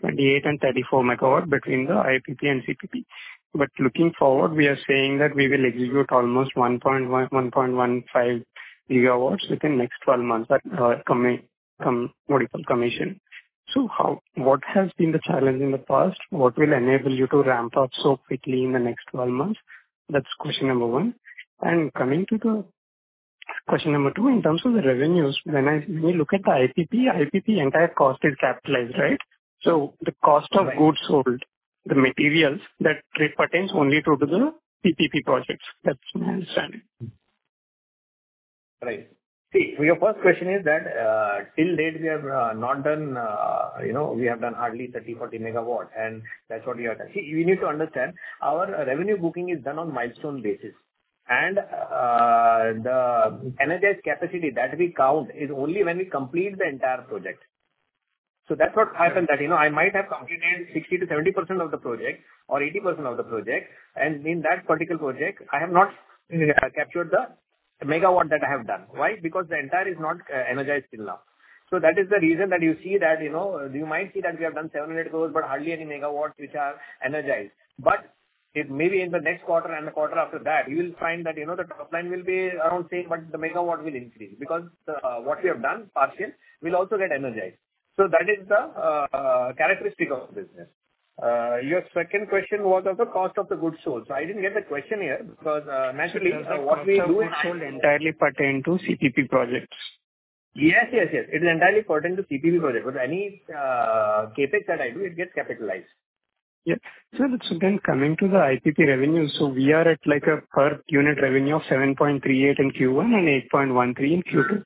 28 and 34MW between the IPP and CPP. But looking forward, we are saying that we will execute almost 1.15 GW within the next 12 months at what do you call, commission. So what has been the challenge in the past? What will enable you to ramp up so quickly in the next 12 months? That's question number one. And coming to the question number two, in terms of the revenues, when you look at the IPP, IPP entire cost is capitalized, right? So the cost of goods sold, the materials that pertains only to the CPP projects. That's my understanding. Right. See, your first question is that till date, we have done hardly 30-40 MW. And that's what we are done. See, you need to understand, our revenue booking is done on milestone basis. And the energized capacity that we count is only when we complete the entire project. So that's what happened that I might have completed 60%-70% of the project or 80% of the project. And in that particular project, I have not captured the MW that I have done. Why? Because the entire is not energized till now. So that is the reason that you see that you might see that we have done 700 crores, but hardly any MW which are energized. But maybe in the next quarter and the quarter after that, you will find that the top line will be around the same, but the MW will increase because what we have done, partial, will also get energized. So that is the characteristic of business. Your second question was of the cost of the goods sold. So I didn't get the question here because naturally, what we do is. Is the cost of goods sold entirely pertain to CPP projects? Yes, yes, yes. It is entirely pertinent to CPP project. With any capex that I do, it gets capitalized. Yeah. So then coming to the IPP revenue, so we are at a per unit revenue of 7.38% in Q1 and 8.13% in Q2.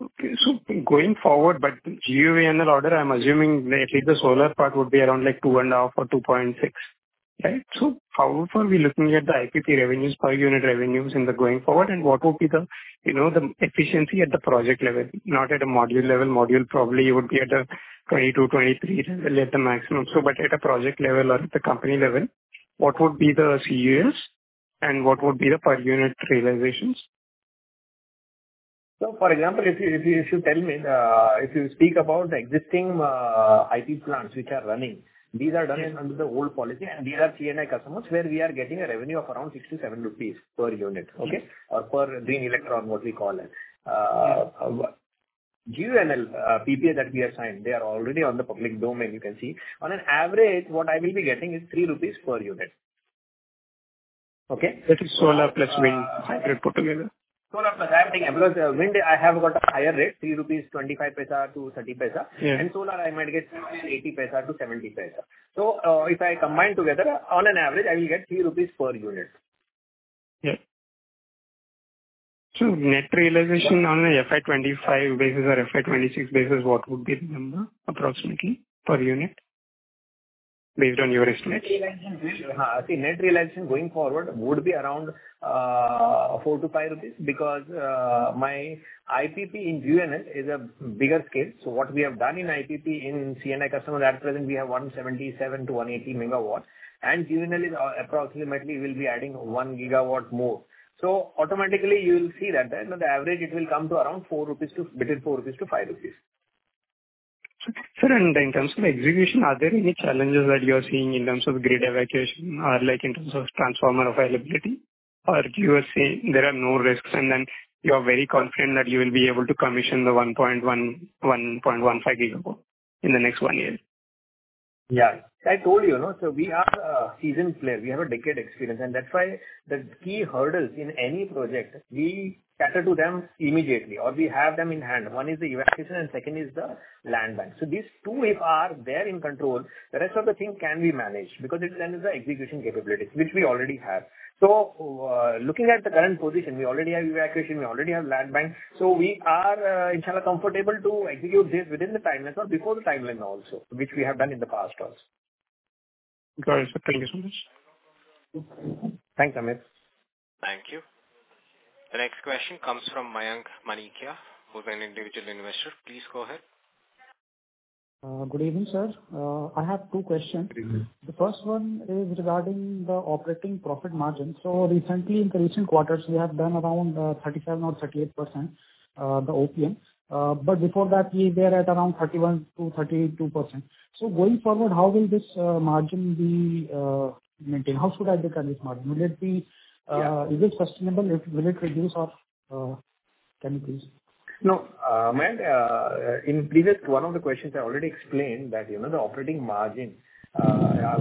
Okay. So going forward, but GUVNL order, I'm assuming at least the solar part would be around 2.5% or 2.6%. Right? So how far are we looking at the IPP revenues per unit revenues in the going forward? And what would be the efficiency at the project level, not at a module level? Module probably would be at a 22-23 level at the maximum. So but at a project level or at the company level, what would be the CUF and what would be the per unit realizations? For example, if you tell me, if you speak about the existing IPP plants which are running, these are done under the old policy, and these are C&I customers where we are getting a revenue of around 67 rupees per unit, okay, or per green electron, what we call it. GUVNL PPA that we have signed, they are already in the public domain. You can see on average, what I will be getting is 3 rupees per unit. Okay? That is solar plus wind, put together? Solar plus everything. Wind, I have got a higher rate, 3.25-3.30 rupees. And solar, I might get 0.80-0.70. So if I combine together, on an average, I will get 3 rupees per unit. Yeah, so net realization on an FY 2025 basis or FY 2026 basis, what would be the number approximately per unit based on your estimates? See, net realization going forward would be around 4-5 rupees because my IPP in GUVNL is a bigger scale. So what we have done in IPP in C&I customers at present, we have 177-180 MW. And GUVNL is approximately will be adding 1 GW more. So automatically, you will see that the average, it will come to around 4 rupees to between 4 rupees to 5 rupees. Sir, and in terms of execution, are there any challenges that you are seeing in terms of grid evacuation or in terms of transformer availability? Or you are saying there are no risks, and then you are very confident that you will be able to commission the 1.15 GW in the next one year? Yeah. I told you, so we are a seasoned player. We have a decade experience. And that's why the key hurdles in any project, we cater to them immediately or we have them in hand. One is the evacuation, and second is the land bank. So these two, if they are in control, the rest of the thing can be managed because then it's the execution capabilities which we already have. So looking at the current position, we already have evacuation. We already have land bank. So we are comfortable to execute this within the timeline or before the timeline also, which we have done in the past also. Got it, sir. Thank you so much. Thanks, Amit. Thank you. The next question comes from Mayank Manikya, who's an individual investor. Please go ahead. Good evening, sir. I have two questions. The first one is regarding the operating profit margin. So recently, in the recent quarters, we have done around 37% or 38%, the OPM. But before that, we were at around 31%-32%. So going forward, how will this margin be maintained? How should I determine this margin? Is it sustainable? Will it reduce or can you please? No, Amit, in previous one of the questions, I already explained that the operating margin,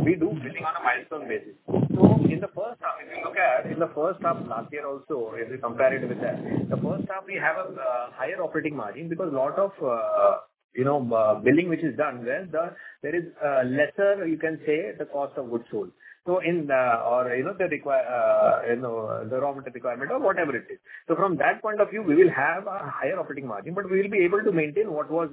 we do billing on a milestone basis. So in the first half, if you look at in the first half last year also, if you compare it with that, the first half, we have a higher operating margin because a lot of billing which is done where there is lesser, you can say, the cost of goods sold. So in the or the raw material requirement or whatever it is. So from that point of view, we will have a higher operating margin, but we will be able to maintain what was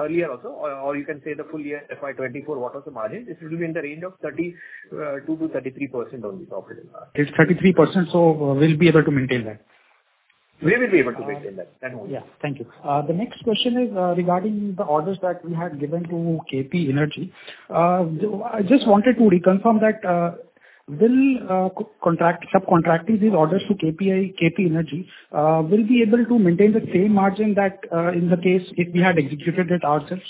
earlier also, or you can say the full year FY 2024, what was the margin, it will be in the range of 32%-33% on the operating margin. It's 33%, so we'll be able to maintain that. We will be able to maintain that. That only. Yeah. Thank you. The next question is regarding the orders that we had given to KP Energy. I just wanted to reconfirm that will subcontracting these orders to KP Energy will be able to maintain the same margin that in the case if we had executed it ourselves?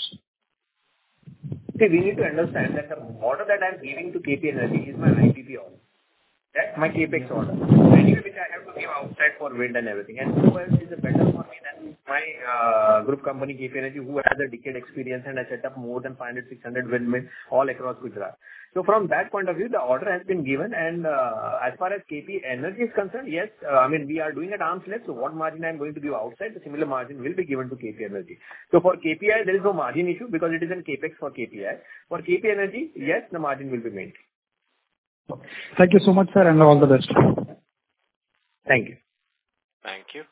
See, we need to understand that the order that I'm giving to KP Energy is my IPP order. That's my EPC order. Anyway, which I have to give outside for wind and everything, and who else is better for me than my group company, KP Energy, who has a decade experience and has set up more than 500-600 windmills all across Gujarat, so from that point of view, the order has been given, and as far as KP Energy is concerned, yes. I mean, we are doing at arm's length, so what margin I'm going to give outside, the similar margin will be given to KP Energy, so for KPI, there is no margin issue because it is in EPC for KPI. For KP Energy, yes, the margin will be maintained. Thank you so much, sir, and all the best. Thank you. Thank you.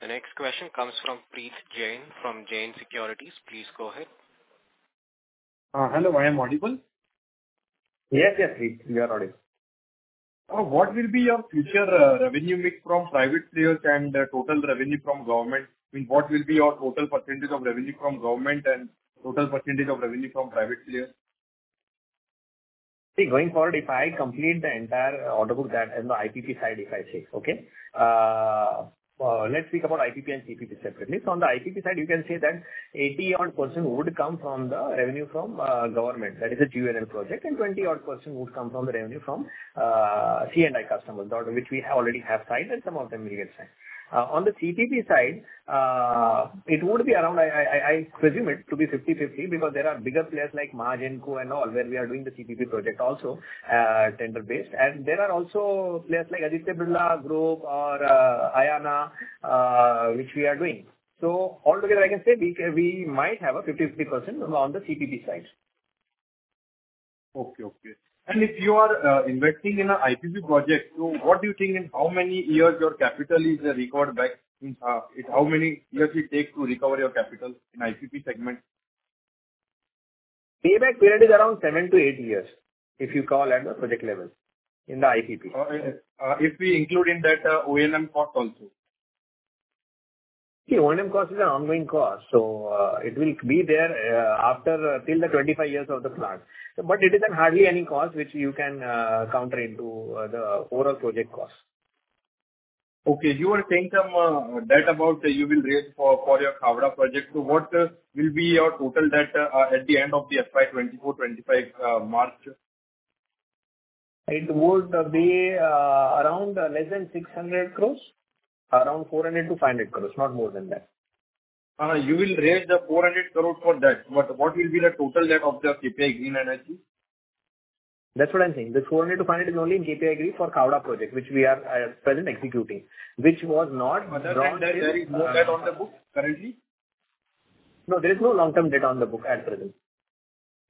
The next question comes from Prith Jain from Jain Securities. Please go ahead. Hello. I am audible? Yes, yes, Prith. We are audible. What will be your future revenue mix from private players and total revenue from government? I mean, what will be your total % of revenue from government and total % of revenue from private players? See, going forward, if I complete the entire order book and the IPP side, if I say, okay, let's speak about IPP and CPP separately. So on the IPP side, you can say that 80-odd% would come from the revenue from government, that is a GUVNL project, and 20-odd% would come from the revenue from C&I customers, which we already have signed, and some of them we will sign. On the CPP side, it would be around. I presume it to be 50%-50% because there are bigger players like Mahagenco and all, where we are doing the CPP project also tender-based. There are also players like Aditya Birla Group or Ayana, which we are doing. So altogether, I can say we might have a 50%-50% on the CPP side. Okay, okay. And if you are investing in an IPP project, so what do you think in how many years your capital is recovered back? How many years it takes to recover your capital in IPP segment? Payback period is around seven to eight years, if you call at the project level in the IPP. If we include in that O&M cost also? See, O&M cost is an ongoing cost, so it will be thereafter till the 25 years of the plant, but it isn't hardly any cost which you can count into the overall project cost. Okay. You were saying something about the debt you will raise for your Khavda project. So what will be your total debt at the end of the FY 2024, 31 March? It would be around less than 600 crores, around 400 crores-500 crores, not more than that. You will raise 400 crores for that. But what will be the total debt of the KPI Green Energy? That's what I'm saying. The 400 crores-500 crores is only in KPI Green for Khavda project, which we are at present executing, which was not. But there is no debt on the books currently? No, there is no long-term debt on the book at present.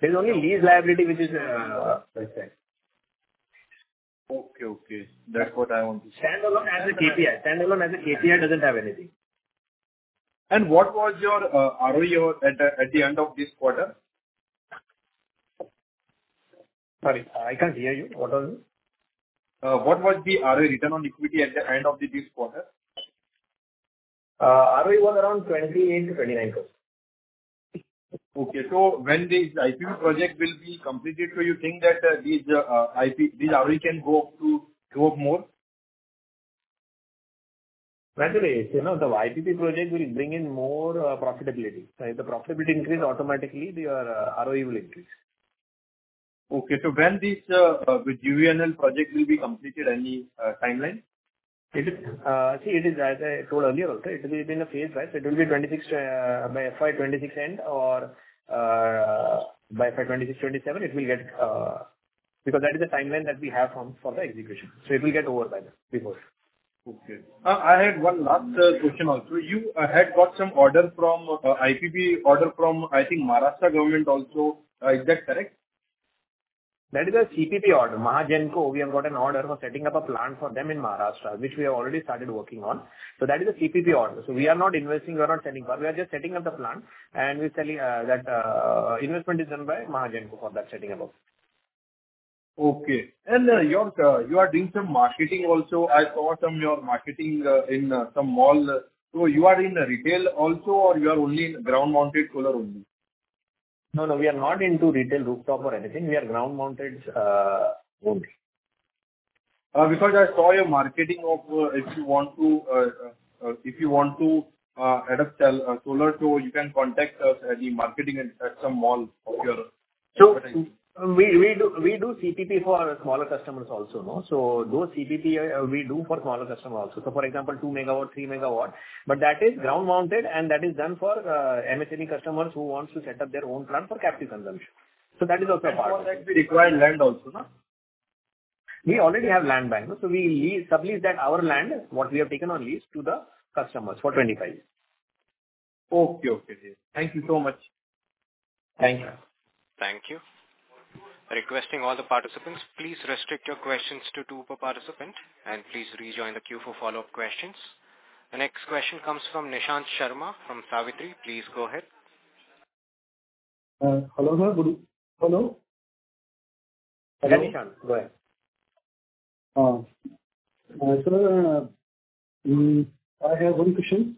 There is only lease liability, which is like that. Okay, okay. That's what I want to say. Standalone as a KPI. Standalone as a KPI doesn't have anything. What was your ROE at the end of this quarter? Sorry, I can't hear you. What was it? What was the ROE return on equity at the end of this quarter? ROE was around 28 crores-29 crores. Okay. So when this IPP project will be completed, do you think that these ROE can go up to grow more? Naturally, the IPP project will bring in more profitability. The profitability increase automatically, your ROE will increase. Okay. So when this GUVNL project will be completed, any timeline? See, it is, as I told earlier, also, it will be in a phase by it will be 26 by FY 2026 end or by FY 2026-27, it will get because that is the timeline that we have for the execution. So it will get over by then before it. Okay. I had one last question also. You had got some order from IPP order from, I think, Maharashtra government also. Is that correct? That is a CPP order. Mahagenco, we have got an order for setting up a plant for them in Maharashtra, which we have already started working on. So that is a CPP order. So we are not investing. We are not sending power. We are just setting up the plant, and we're telling that investment is done by Mahagenco for that setting up. Okay. And you are doing some marketing also. I saw some of your marketing in some mall. So you are in retail also, or you are only in ground-mounted solar only? No, no. We are not into retail rooftop or anything. We are ground-mounted only. Because I saw your marketing. If you want to add solar, so you can contact us at the marketing at some email of yours. So we do CPP for smaller customers also. So those CPP we do for smaller customers also. So for example, twoMW, threeMW. But that is ground-mounted, and that is done for MSME customers who want to set up their own plant for captive consumption. So that is also a part of it. So for that, we require land also, no? We already have land bank. So we sublease that our land, what we have taken on lease, to the customers for 25 years. Okay, okay. Thank you so much. Thank you. Thank you. Requesting all the participants, please restrict your questions to two per participant, and please rejoin the queue for follow-up questions. The next question comes from Nishant Sharma from Savitri. Please go ahead. Hello, sir. Good. Hello. Yeah, Nishant. Go ahead. Sir, I have one question.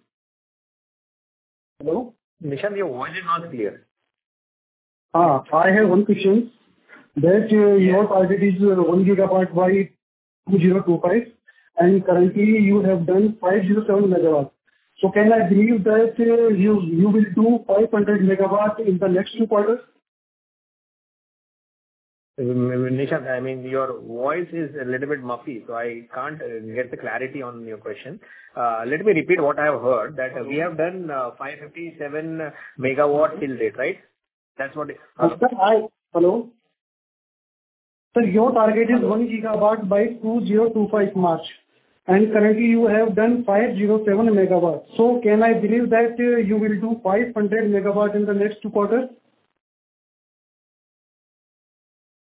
Hello? Nishant, your voice is not clear. I have one question. That your target is one GW by 2025, and currently, you have done 507 MW. So can I believe that you will do 500 MW in the next two quarters? Nishant, I mean, your voice is a little bit muffled, so I can't get the clarity on your question. Let me repeat what I have heard, that we have done 557 MW till date, right? That's what. Sir, hi. Hello. Sir, your target is one GW by 2025 March, and currently, you have done 507MW. So can I believe that you will do 500MW in the next two quarters?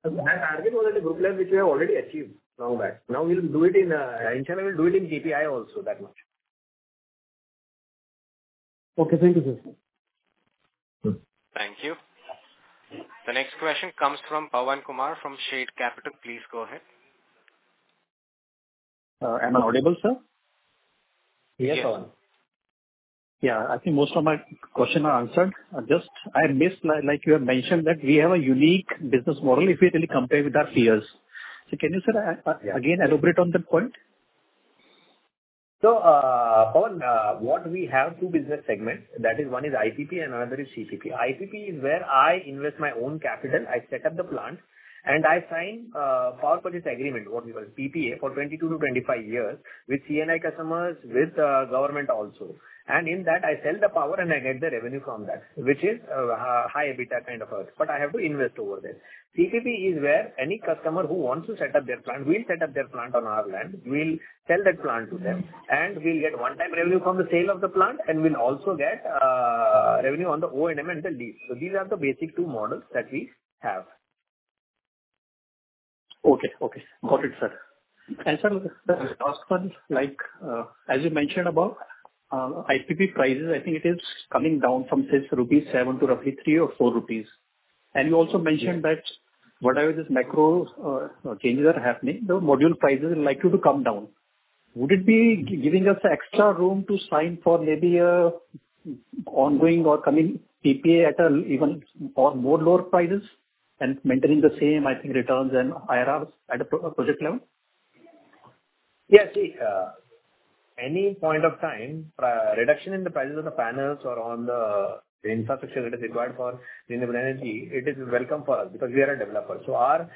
My target was at a group level, which we have already achieved long back. Now we will do it in Nishant, we will do it in KPI also, that much. Okay. Thank you, sir. Thank you. The next question comes from Pawan Kumar from Shade Capital. Please go ahead. Am I audible, sir? Yes, Pawan. Yeah. I think most of my questions are answered. Just I missed, like you have mentioned, that we have a unique business model if we really compare with our peers. So can you, sir, again elaborate on that point? So Pawan, what we have two business segments. That is one is IPP, and another is CPP. IPP is where I invest my own capital. I set up the plant, and I sign power purchase agreement, what we call PPA, for 22-25 years with C&I customers, with government also. And in that, I sell the power, and I get the revenue from that, which is high EBITDA kind of earn. But I have to invest over there. CPP is where any customer who wants to set up their plant, we'll set up their plant on our land. We'll sell that plant to them, and we'll get one-time revenue from the sale of the plant, and we'll also get revenue on the O&M and the lease. So these are the basic two models that we have. Okay, okay. Got it, sir. And sir, last one, as you mentioned above, IPP prices, I think it is coming down from, say, rupees 7 to roughly 3 or 4 rupees. And you also mentioned that whatever these macro changes are happening, the module prices would likely come down. Would it be giving us extra room to sign for maybe an ongoing or coming PPA at even more lower prices and maintaining the same, I think, returns and IRRs at a project level? Yeah. See, any point of time, reduction in the prices of the panels or on the infrastructure that is required for renewable energy, it is welcome for us because we are a developer. So our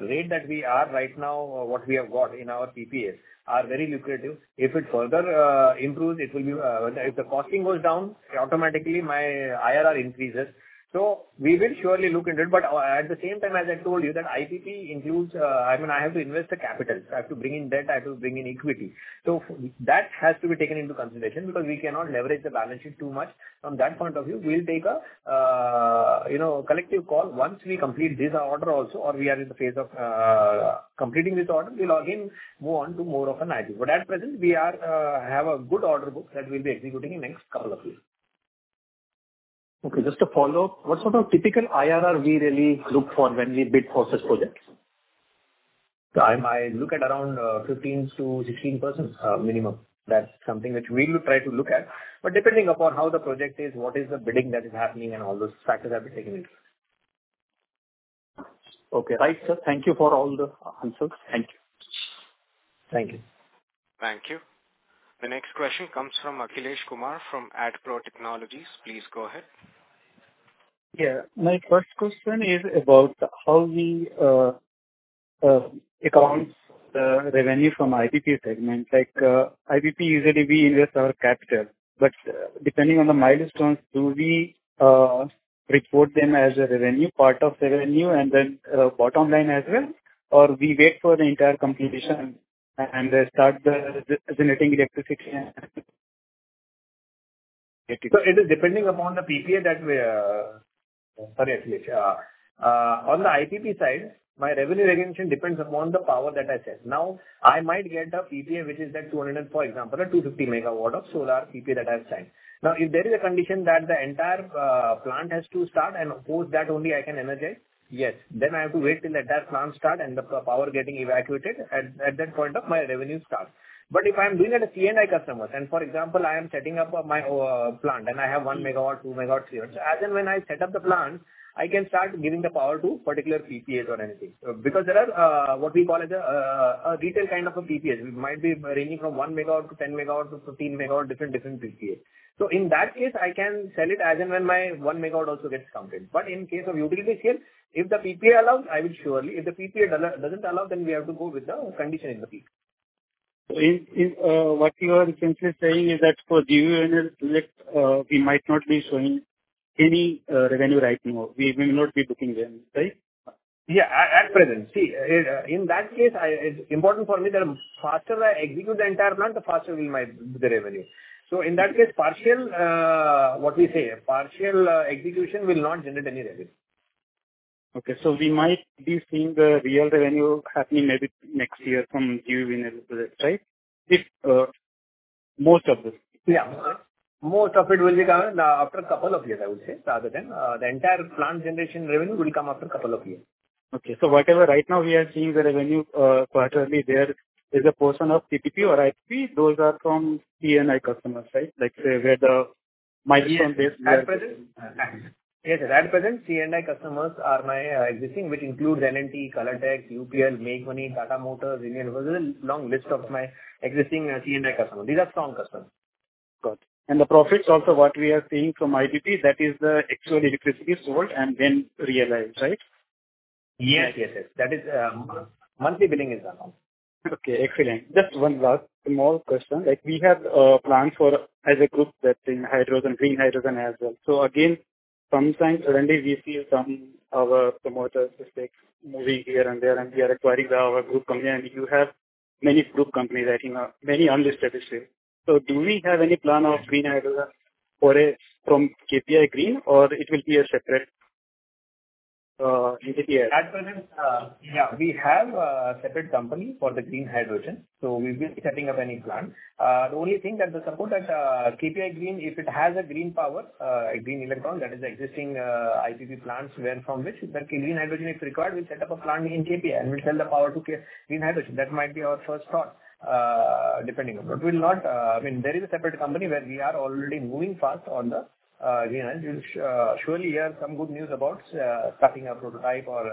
rate that we are right now, what we have got in our PPAs, are very lucrative. If it further improves, it will be if the costing goes down, automatically, my IRR increases. So we will surely look into it. But at the same time, as I told you, that IPP includes, I mean, I have to invest the capital. I have to bring in debt. I have to bring in equity. So that has to be taken into consideration because we cannot leverage the balance sheet too much. From that point of view, we'll take a collective call once we complete this order also, or we are in the phase of completing this order. We'll again move on to more of an IPP, but at present, we have a good order book that we'll be executing in the next couple of years. Okay. Just to follow up, what sort of typical IRR we really look for when we bid for such projects? I look at around 15%-16% minimum. That's something which we will try to look at. But depending upon how the project is, what is the bidding that is happening, and all those factors have been taken into account. Okay. Right, sir. Thank you for all the answers. Thank you. Thank you. Thank you. The next question comes from Akhilesh Kumar from Adpro Technologies. Please go ahead. Yeah. My first question is about how we account the revenue from IPP segment. Like IPP, usually, we invest our capital. But depending on the milestones, do we report them as a revenue, part of the revenue, and then bottom line as well, or we wait for the entire completion and start the generating electricity? So it is depending upon the PPA that we, sorry, Akhilesh. On the IPP side, my revenue again depends upon the power that I set. Now, I might get a PPA, which is at 200, for example, or 250MW of solar PPA that I have signed. Now, if there is a condition that the entire plant has to start and post that only I can energize, yes. Then I have to wait till that plant starts and the power getting evacuated. At that point my revenue starts. But if I'm doing it at C&I customers, and for example, I am setting up my plant, and I have oneMW, 2 MW, 3 MW, as in when I set up the plant, I can start giving the power to particular PPAs or anything. Because there are what we call as a retail kind of a PPA. We might be ranging from 1 MW to 10 MW to 15 MW, different PPA. So in that case, I can sell it as in when my 1 MW also gets counted. But in case of utility scale, if the PPA allows, I will surely if the PPA doesn't allow, then we have to go with the condition in the PPA. So what you are essentially saying is that for GUVNL project, we might not be showing any revenue right now. We will not be booking them, right? Yeah. At present, see, in that case, it's important for me that the faster I execute the entire plant, the faster will be the revenue. So in that case, partial what we say, partial execution will not generate any revenue. Okay. So we might be seeing the real revenue happening maybe next year from GUVNL project, right? Most of this. Yeah. Most of it will be after a couple of years, I would say, rather than the entire plant generation revenue will come after a couple of years. Okay. So, whatever right now we are seeing, the revenue quarterly, there is a portion of PPA or IPP. Those are from C&I customers, right? Like, say, where the milestone-based where? Yes, at present, C&I customers are my existing, which includes L&T, Colourtex, UPL, Meghmani Organics, Tata Motors, Indian Motors. There's a long list of my existing C&I customers. These are strong customers. Got it and the profits also what we are seeing from IPP, that is the actual electricity sold and then realized, right? Yes, yes, yes. That is, monthly billing is done on. Okay. Excellent. Just one last small question. We have plans for as a group that's in hydrogen, green hydrogen as well. So again, sometimes when we see some of our promoters' mistakes moving here and there, and we are acquiring our group company, and you have many group companies, I think, many unlisted still. So do we have any plan of green hydrogen for a from KPI Green, or it will be a separate NTPC? At present, yeah, we have a separate company for the green hydrogen. So we'll be setting up any plant. The only thing that the support at KPI Green, if it has a green power, a green electron, that is the existing IPP plants where from which the green hydrogen is required, we'll set up a plant in KPI and we'll sell the power to green hydrogen. That might be our first thought depending on it. I mean, there is a separate company where we are already moving fast on the green hydrogen. Surely, you have some good news about starting a prototype or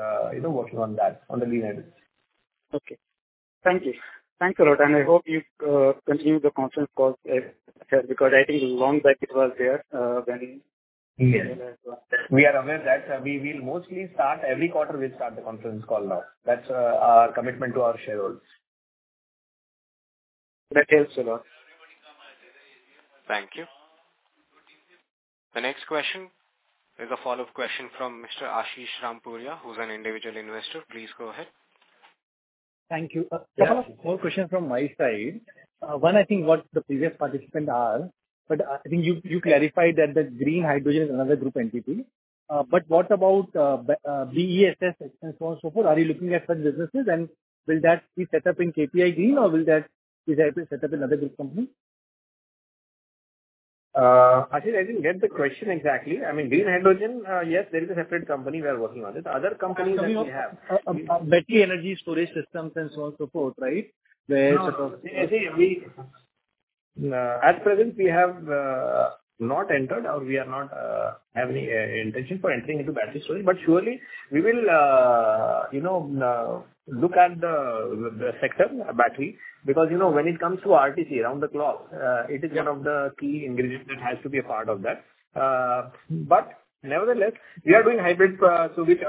working on that on the green hydrogen? Okay. Thank you. Thanks a lot, and I hope you continue the conference call because I think long back it was there when we are aware that we will mostly start every quarter, we'll start the conference call now. That's our commitment to our shareholders. That helps a lot. Thank you. The next question is a follow-up question from Mr. Ashish Rampuria, who's an individual investor. Please go ahead. Thank you. A couple of more questions from my side. One, I think what the previous participant asked, but I think you clarified that the green hydrogen is another group entity. But what about BESS and so on and so forth? Are you looking at such businesses, and will that be set up in KPI Green, or will that be set up in other group companies? Ashish, I didn't get the question exactly. I mean, green hydrogen, yes, there is a separate company we are working on it. Other companies that we have. Better energy storage systems and so on and so forth, right? At present, we have not entered, or we do not have any intention for entering into battery storage. But surely, we will look at the sector, battery, because when it comes to RTC, around the clock, it is one of the key ingredients that has to be a part of that. But nevertheless, we are doing hybrid, so which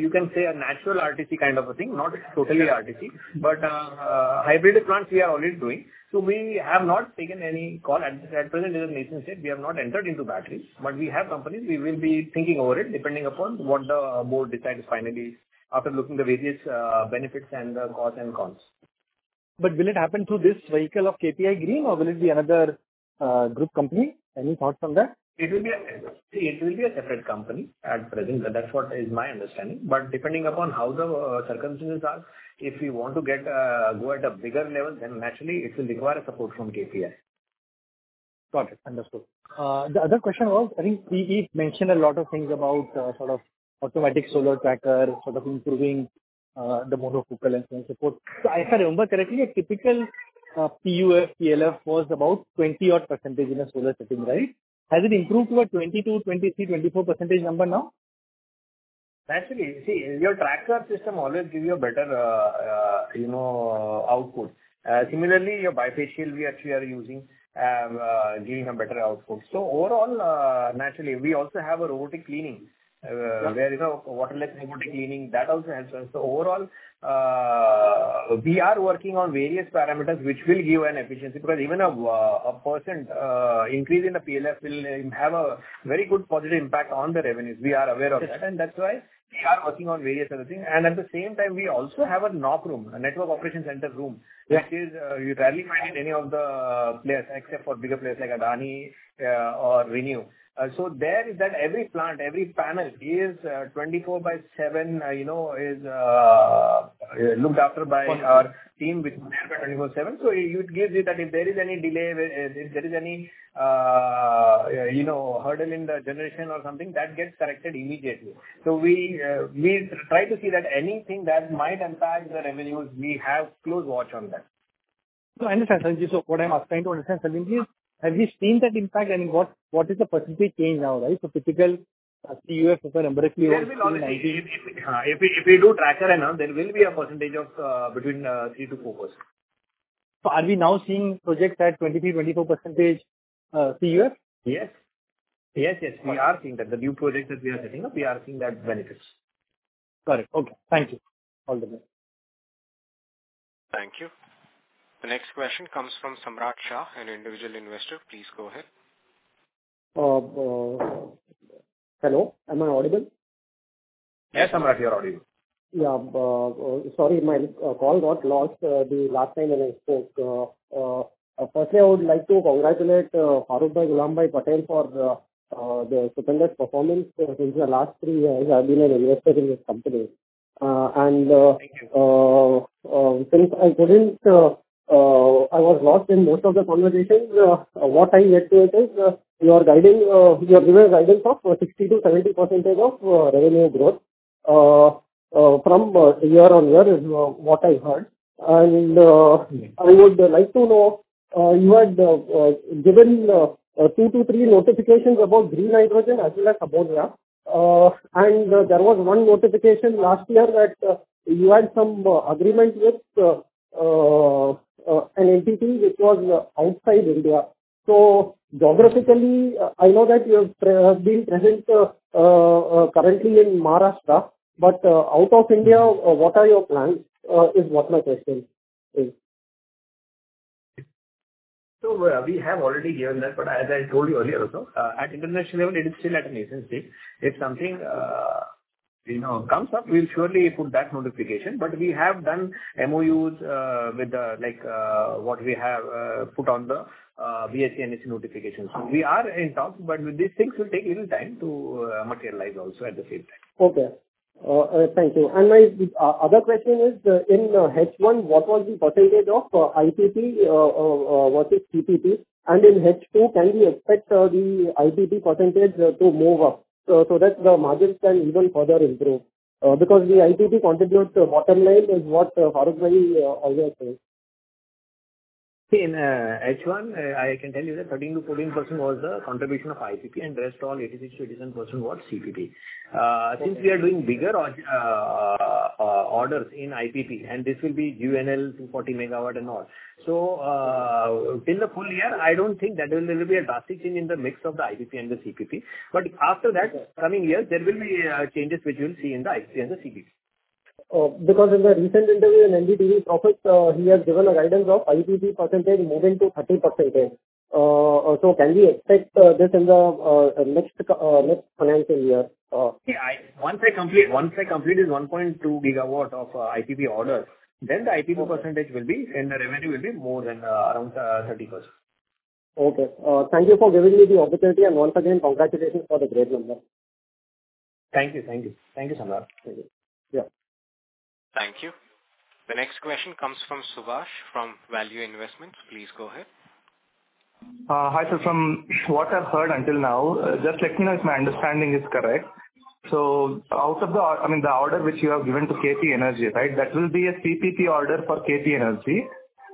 you can say a natural RTC kind of a thing, not totally RTC, but hybrid plants we are already doing. So we have not taken any call. At present, as an entity, we have not entered into batteries. But we have companies. We will be thinking over it depending upon what the board decides finally after looking at the various benefits and the pros and cons. But will it happen through this vehicle of KPI Green, or will it be another group company? Any thoughts on that? It will be a separate company at present. That's what is my understanding. But depending upon how the circumstances are, if we want to go at a bigger level, then naturally, it will require support from KPI. Got it. Understood. The other question was, I think EE mentioned a lot of things about sort of automatic solar tracker, sort of improving the monofacial and so on and so forth. So if I remember correctly, a typical CUF, PLF was about 20-odd% in a solar setting, right? Has it improved to a 22, 23, 24% number now? Naturally, see, your tracker system always gives you a better output. Similarly, your bifacial, we actually are using, giving a better output. So overall, naturally, we also have a robotic cleaning where waterless robotic cleaning. That also helps us. So overall, we are working on various parameters which will give an efficiency because even 1% increase in the PLF will have a very good positive impact on the revenues. We are aware of that. And that's why we are working on various other things. And at the same time, we also have a NOC room, a Network Operations Center room, which you rarely find in any of the players except for bigger players like Adani or ReNew. So there is that every plant, every panel is 24 by 7, is looked after by our team with 24/7. So it gives you that if there is any delay, if there is any hurdle in the generation or something, that gets corrected immediately. So we try to see that anything that might impact the revenues, we have close watch on that. So I understand. Thank you. So what I'm trying to understand, sir, have you seen that impact? I mean, what is the percentage change now, right? So typical CUF, for example, CUF, 19%. There will always be. If we do trackers enough, there will be a percentage of between 3% to 4%. Are we now seeing projects at 23%-24% CUF? Yes. Yes, yes. We are seeing that. The new projects that we are setting up, we are seeing that benefits. Got it. Okay. Thank you. All the best. Thank you. The next question comes from Samrat Shah, an individual investor. Please go ahead. Hello. Am I audible? Yes, Samrat, you're audible. Yeah. Sorry, my call got lost last time when I spoke. Firstly, I would like to congratulate Farukhbhai Gulambhai Patel for the stupendous performance since the last three years I've been an investor in this company. And since I couldn't, I was lost in most of the conversations, what I get to it is your given guidance of 60%-70% of revenue growth from year on year is what I heard. And I would like to know, you had given two to three notifications about green hydrogen as well as ammonia. And there was one notification last year that you had some agreement with an entity which was outside India. So geographically, I know that you have been present currently in Maharashtra, but out of India, what are your plans is what my question is. So we have already given that, but as I told you earlier also, at international level, it is still at a nascent state. If something comes up, we'll surely put that notification. But we have done MOUs with what we have put on the BSE NSE notifications. We are in talks, but with these things, it will take a little time to materialize also at the same time. Okay. Thank you. And my other question is, in H1, what was the percentage of IPP versus CPP? And in H2, can we expect the IPP percentage to move up so that the margins can even further improve? Because the IPP contributes to the bottom line is what Farukhbhai always says. In H1, I can tell you that 13%-14% was the contribution of IPP, and the rest all 86%-87% was CPP. Since we are doing bigger orders in IPP, and this will be GUVNL, 240MW and all. In the full year, I don't think that there will be a drastic change in the mix of the IPP and the CPP. But after that, coming years, there will be changes which you'll see in the IPP and the CPP. Because in the recent interview on NDTV Profit, he has given a guidance of IPP percentage moving to 30%. So can we expect this in the next financial year? Once I complete 1.2 GW of IPP orders, then the IPP percentage in the revenue will be more than around 30%. Okay. Thank you for giving me the opportunity, and once again, congratulations for the great number. Thank you. Thank you. Thank you, Samrat. Thank you. Yeah. Thank you. The next question comes from Subash from Value Investments. Please go ahead. Hi sir. From what I've heard until now, just let me know if my understanding is correct, so out of the, I mean, the order which you have given to KP Energy, right, that will be a CPP order for KP Energy,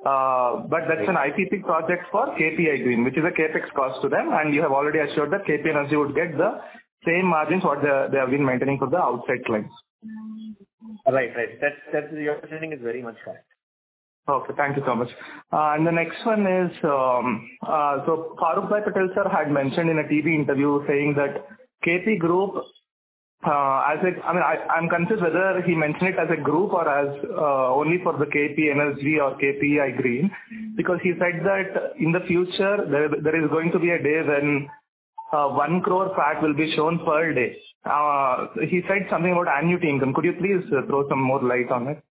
but that's an IPP project for KPI Green, which is a CapEx cost to them, and you have already assured that KP Energy would get the same margins what they have been maintaining for the outside clients. Right, right. That's your understanding is very much correct. Okay. Thank you so much. And the next one is, so Dr. Faruk G. Patel had mentioned in a TV interview saying that KP Group, I mean, I'm confused whether he mentioned it as a group or as only for the KP Energy or KPI Green, because he said that in the future, there is going to be a day when one crore watt will be shown per day. He said something about annuity income. Could you please throw some more light on it?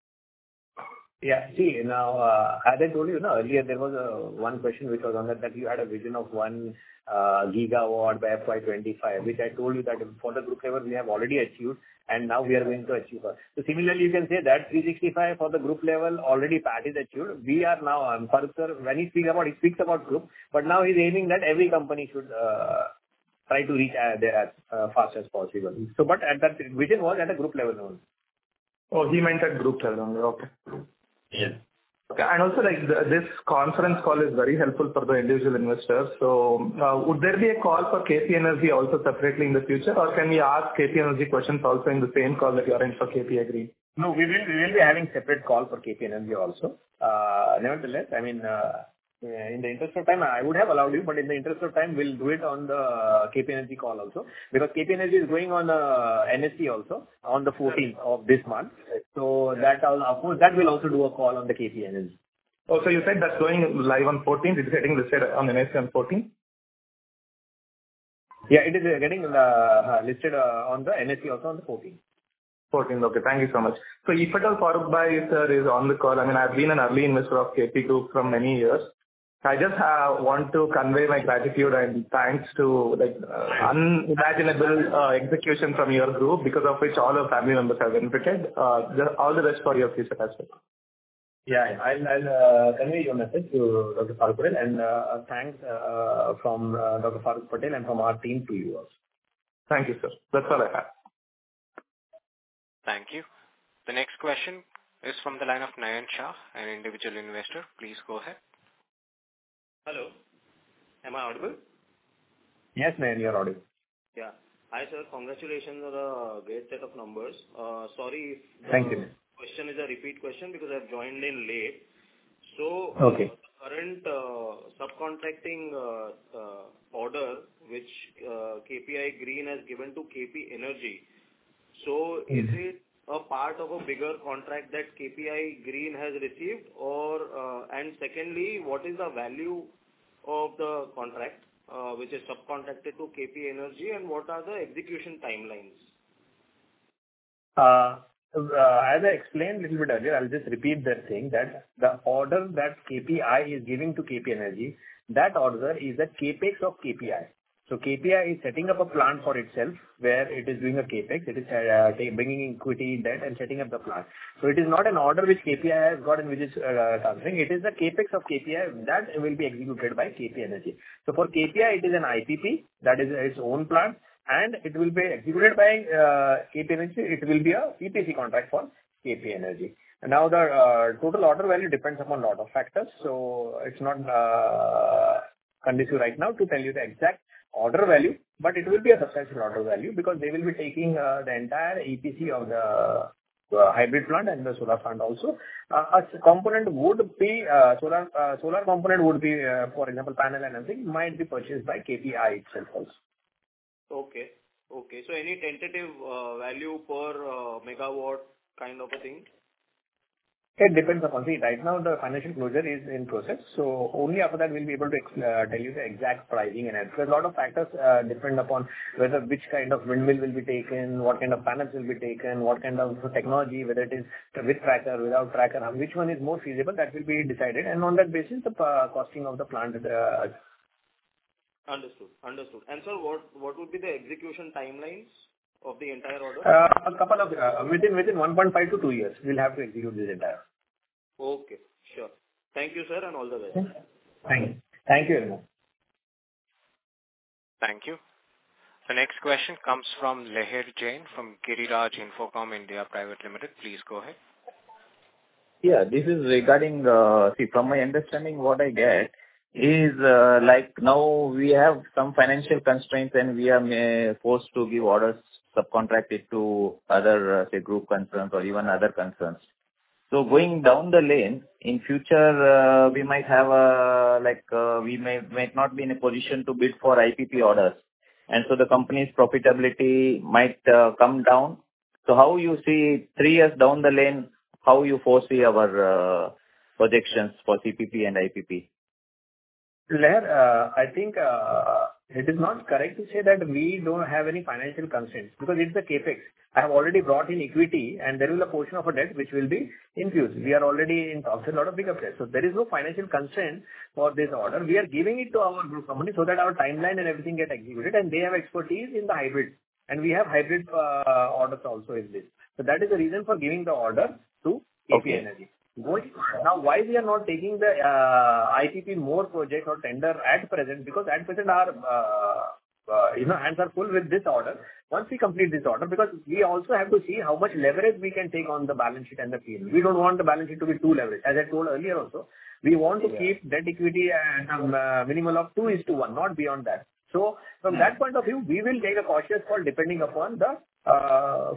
Yeah. See, now, as I told you earlier, there was one question which was on that, that you had a vision of one GW by FY25, which I told you that for the group level, we have already achieved, and now we are going to achieve here. So similarly, you can say that 365 for the group level already PAT is achieved. We are now, Faruk sir, when he speaks about, he speaks about group, but now he's aiming that every company should try to reach there as fast as possible. But that vision was at a group level only. Oh, he meant at group level only. Okay. Yes. Also, this conference call is very helpful for the individual investors. Would there be a call for KP Energy also separately in the future, or can we ask KP Energy questions also in the same call that you are in for KPI Green? No, we will be having separate call for KP Energy also. Nevertheless, I mean, in the interest of time, I would have allowed you, but in the interest of time, we'll do it on the KP Energy call also, because KP Energy is going on NSE also on the 14th of this month. So that will also do a call on the KP Energy. Oh, so you said that's going live on 14th? Is it getting listed on NSE on 14th? Yeah, it is getting listed on the NSE also on the 14th. 14th. Okay. Thank you so much. So if at all, Farukhbhai sir is on the call, I mean, I've been an early investor of KP Group for many years. I just want to convey my gratitude and thanks to unimaginable execution from your group, because of which all our family members have benefited. All the best for your future as well. Yeah. I'll convey your message to Dr. Faruk G. Patel, and thanks from Dr. Faruk G. Patel and from our team to you also. Thank you, sir. That's all I have. Thank you. The next question is from the line of Nayan Shah, an individual investor. Please go ahead. Hello. Am I audible? Yes, Nayan, you're audible. Yeah. Hi sir. Congratulations on a great set of numbers. Sorry if. Thank you, Nayan. The question is a repeat question because I've joined in late. So the current subcontracting order which KPI Green has given to KP Energy, is it a part of a bigger contract that KPI Green has received? And secondly, what is the value of the contract which is subcontracted to KP Energy, and what are the execution timelines? As I explained a little bit earlier, I'll just repeat that thing, that the order that KPI is giving to KP Energy, that order is a CapEx of KPI. So KPI is setting up a plant for itself where it is doing a CapEx. It is bringing equity, debt, and setting up the plant. So it is not an order which KPI has got in which it's transferring. It is a CapEx of KPI that will be executed by KP Energy. So for KPI, it is an IPP that is its own plant, and it will be executed by KP Energy. It will be an EPC contract for KP Energy. Now, the total order value depends upon a lot of factors, so it's not conducive right now to tell you the exact order value, but it will be a substantial order value because they will be taking the entire EPC of the hybrid plant and the solar plant also. A component would be solar component, for example, panel and everything might be purchased by KPI itself also. Okay. Okay. So any tentative value perMW kind of a thing? It depends upon. See, right now, the financial closure is in process, so only after that, we'll be able to tell you the exact pricing and everything. A lot of factors depend upon whether which kind of windmill will be taken, what kind of panels will be taken, what kind of technology, whether it is with tracker, without tracker, which one is more feasible, that will be decided, and on that basis, the costing of the plant. Understood. Understood. And sir, what would be the execution timelines of the entire order? A couple of within 1.5-2 years, we'll have to execute this entire. Okay. Sure. Thank you, sir, and all the best. Thank you. Thank you very much. Thank you. The next question comes from Leher Jain from Giriraj Infocom India Private Limited. Please go ahead. Yeah. This is regarding see, from my understanding, what I get is now we have some financial constraints, and we are forced to give orders subcontracted to other, say, group concerns or even other concerns. So going down the lane, in future, we might not be in a position to bid for IPP orders. And so the company's profitability might come down. So how you see three years down the lane, how you foresee our projections for CPP and IPP? I think it is not correct to say that we don't have any financial constraints because it's a CapEx. I have already brought in equity, and there will be a portion of a debt which will be infused. We are already in a lot of bigger place. So there is no financial constraint for this order. We are giving it to our group company so that our timeline and everything gets executed, and they have expertise in the hybrid. And we have hybrid orders also in this. So that is the reason for giving the order to KP Energy. Now, why we are not taking the IPP more project or tender at present? Because at present, our hands are full with this order. Once we complete this order, because we also have to see how much leverage we can take on the balance sheet and the P&L. We don't want the balance sheet to be too leveraged. As I told earlier also, we want to keep that equity at a minimum of 2:1, not beyond that. So from that point of view, we will take a cautious call depending upon the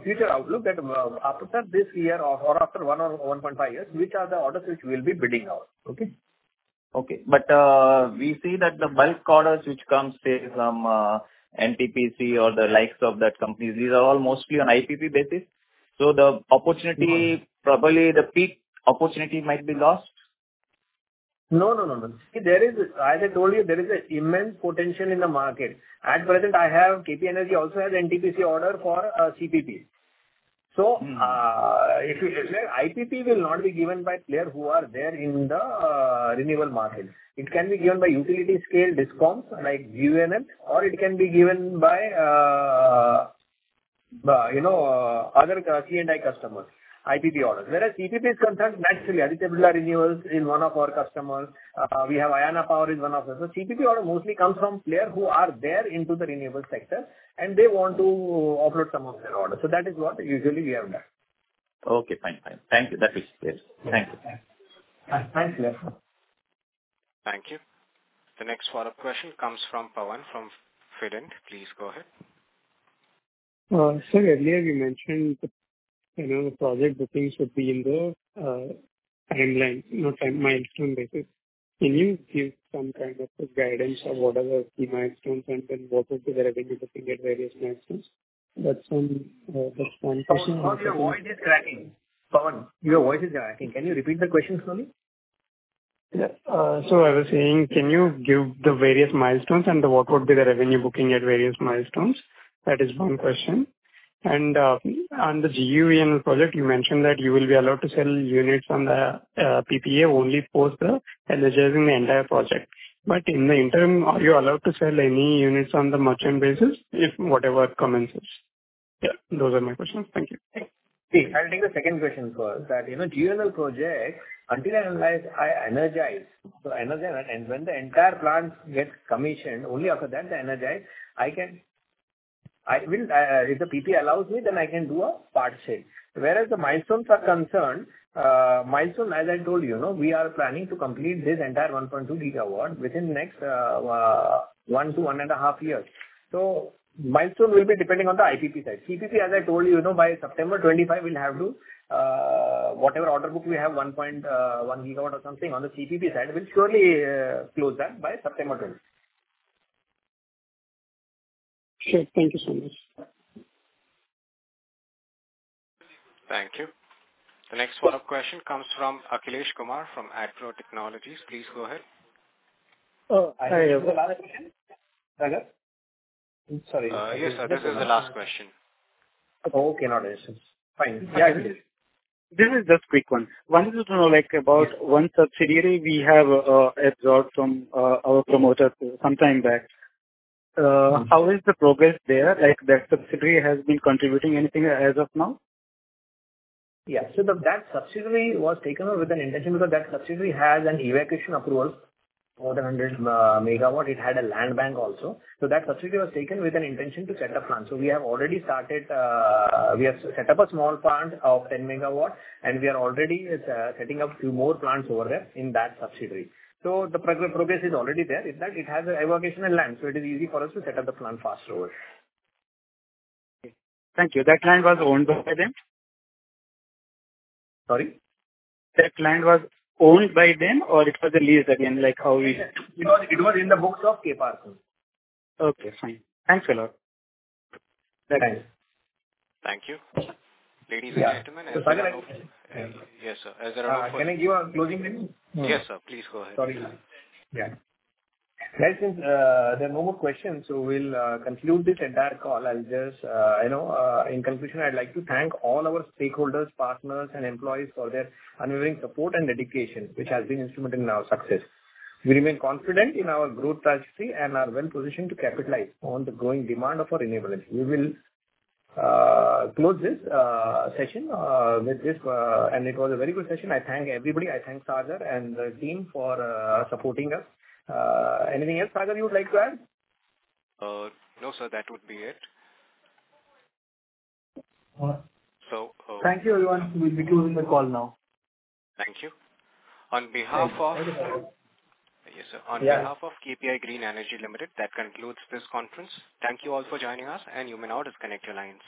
future outlook that after this year or after one or 1.5 years, which are the orders which we'll be bidding out. Okay? Okay. But we see that the bulk orders which come, say, from NTPC or the likes of that companies, these are all mostly on IPP basis. So the opportunity, probably the peak opportunity might be lost? No, no, no, no. See, as I told you, there is an immense potential in the market. At present, I have KP Energy also has NTPC order for CPP. So if IPP will not be given by players who are there in the renewable market, it can be given by utility-scale discoms like GUVNL, or it can be given by other C&I customers, IPP orders. Whereas CPP is concerned, naturally, Aditya Birla Renewables is one of our customers. We have Ayana Power is one of them. So CPP order mostly comes from players who are there into the renewable sector, and they want to offload some of their orders. So that is what usually we have done. Okay. Fine. Fine. Thank you. That's it. Thank you. Thanks, Leher. Thank you. The next follow-up question comes from Pawan from Fitint. Please go ahead. Sir, earlier you mentioned the project, the things would be in the timeline, milestone basis. Can you give some kind of guidance on what are the key milestones and then what would be the revenue booking at various milestones? That's one question. Your voice is cracking. Pawan, your voice is cracking. Can you repeat the question slowly? Yeah. So I was saying, can you give the various milestones and what would be the revenue booking at various milestones? That is one question. And on the GUVNL project, you mentioned that you will be allowed to sell units on the PPA only post the energizing the entire project. But in the interim, are you allowed to sell any units on the merchant basis if whatever commences? Yeah. Those are my questions. Thank you. See, I'll take the second question first. That GUVNL project, until I energize, so energize, and when the entire plant gets commissioned, only after that the energize, I can if the PPA allows me, then I can do a part sale. Whereas the milestones are concerned, milestone, as I told you, we are planning to complete this entire 1.2 GW within the next one to one and a half years. So milestone will be depending on the IPP side. CPP, as I told you, by September 25, we'll have to whatever order book we have, 1.1 GW or something on the CPP side, we'll surely close that by September 25. Sure. Thank you so much. Thank you. The next follow-up question comes from Akhilesh Kumar from Adpro Technologies. Please go ahead. Oh, hi. This is the last question. Oh, okay. Not a distance. Fine. Yeah, it is. This is just a quick one. Wanted to know about one subsidiary we have absorbed from our promoter some time back. How is the progress there? That subsidiary has been contributing anything as of now? Yeah. So that subsidiary was taken with an intention because that subsidiary has an evacuation approval, more than 100 MW. It had a land bank also. So that subsidiary was taken with an intention to set up plants. So we have already started. We have set up a small plant of 10 MW, and we are already setting up a few more plants over there in that subsidiary. So the progress is already there. In fact, it has an evacuation line, so it is easy for us to set up the plant faster over there. Thank you. That land was owned by them? Sorry? That land was owned by them, or it was leased again? Like how we? It was in the books of KPARC. Okay. Fine. Thanks a lot. Thanks. Thank you. Ladies and gentlemen, yes, sir. As I remember. Can I give a closing? Yes, sir. Please go ahead. Sorry. Yeah. Since there are no more questions, so we'll conclude this entire call. I'll just, in conclusion, I'd like to thank all our stakeholders, partners, and employees for their unwavering support and dedication, which has been instrumental in our success. We remain confident in our growth trajectory and are well-positioned to capitalize on the growing demand of our enablement. We will close this session with this, and it was a very good session. I thank everybody. I thank Sagar and the team for supporting us. Anything else, Sagar, you would like to add? No, sir. That would be it. So hopefully. Thank you, everyone. We'll be closing the call now. Thank you. On behalf of. Okay. Yes, sir. On behalf of KPI Green Energy Limited, that concludes this conference. Thank you all for joining us, and you may now disconnect your lines.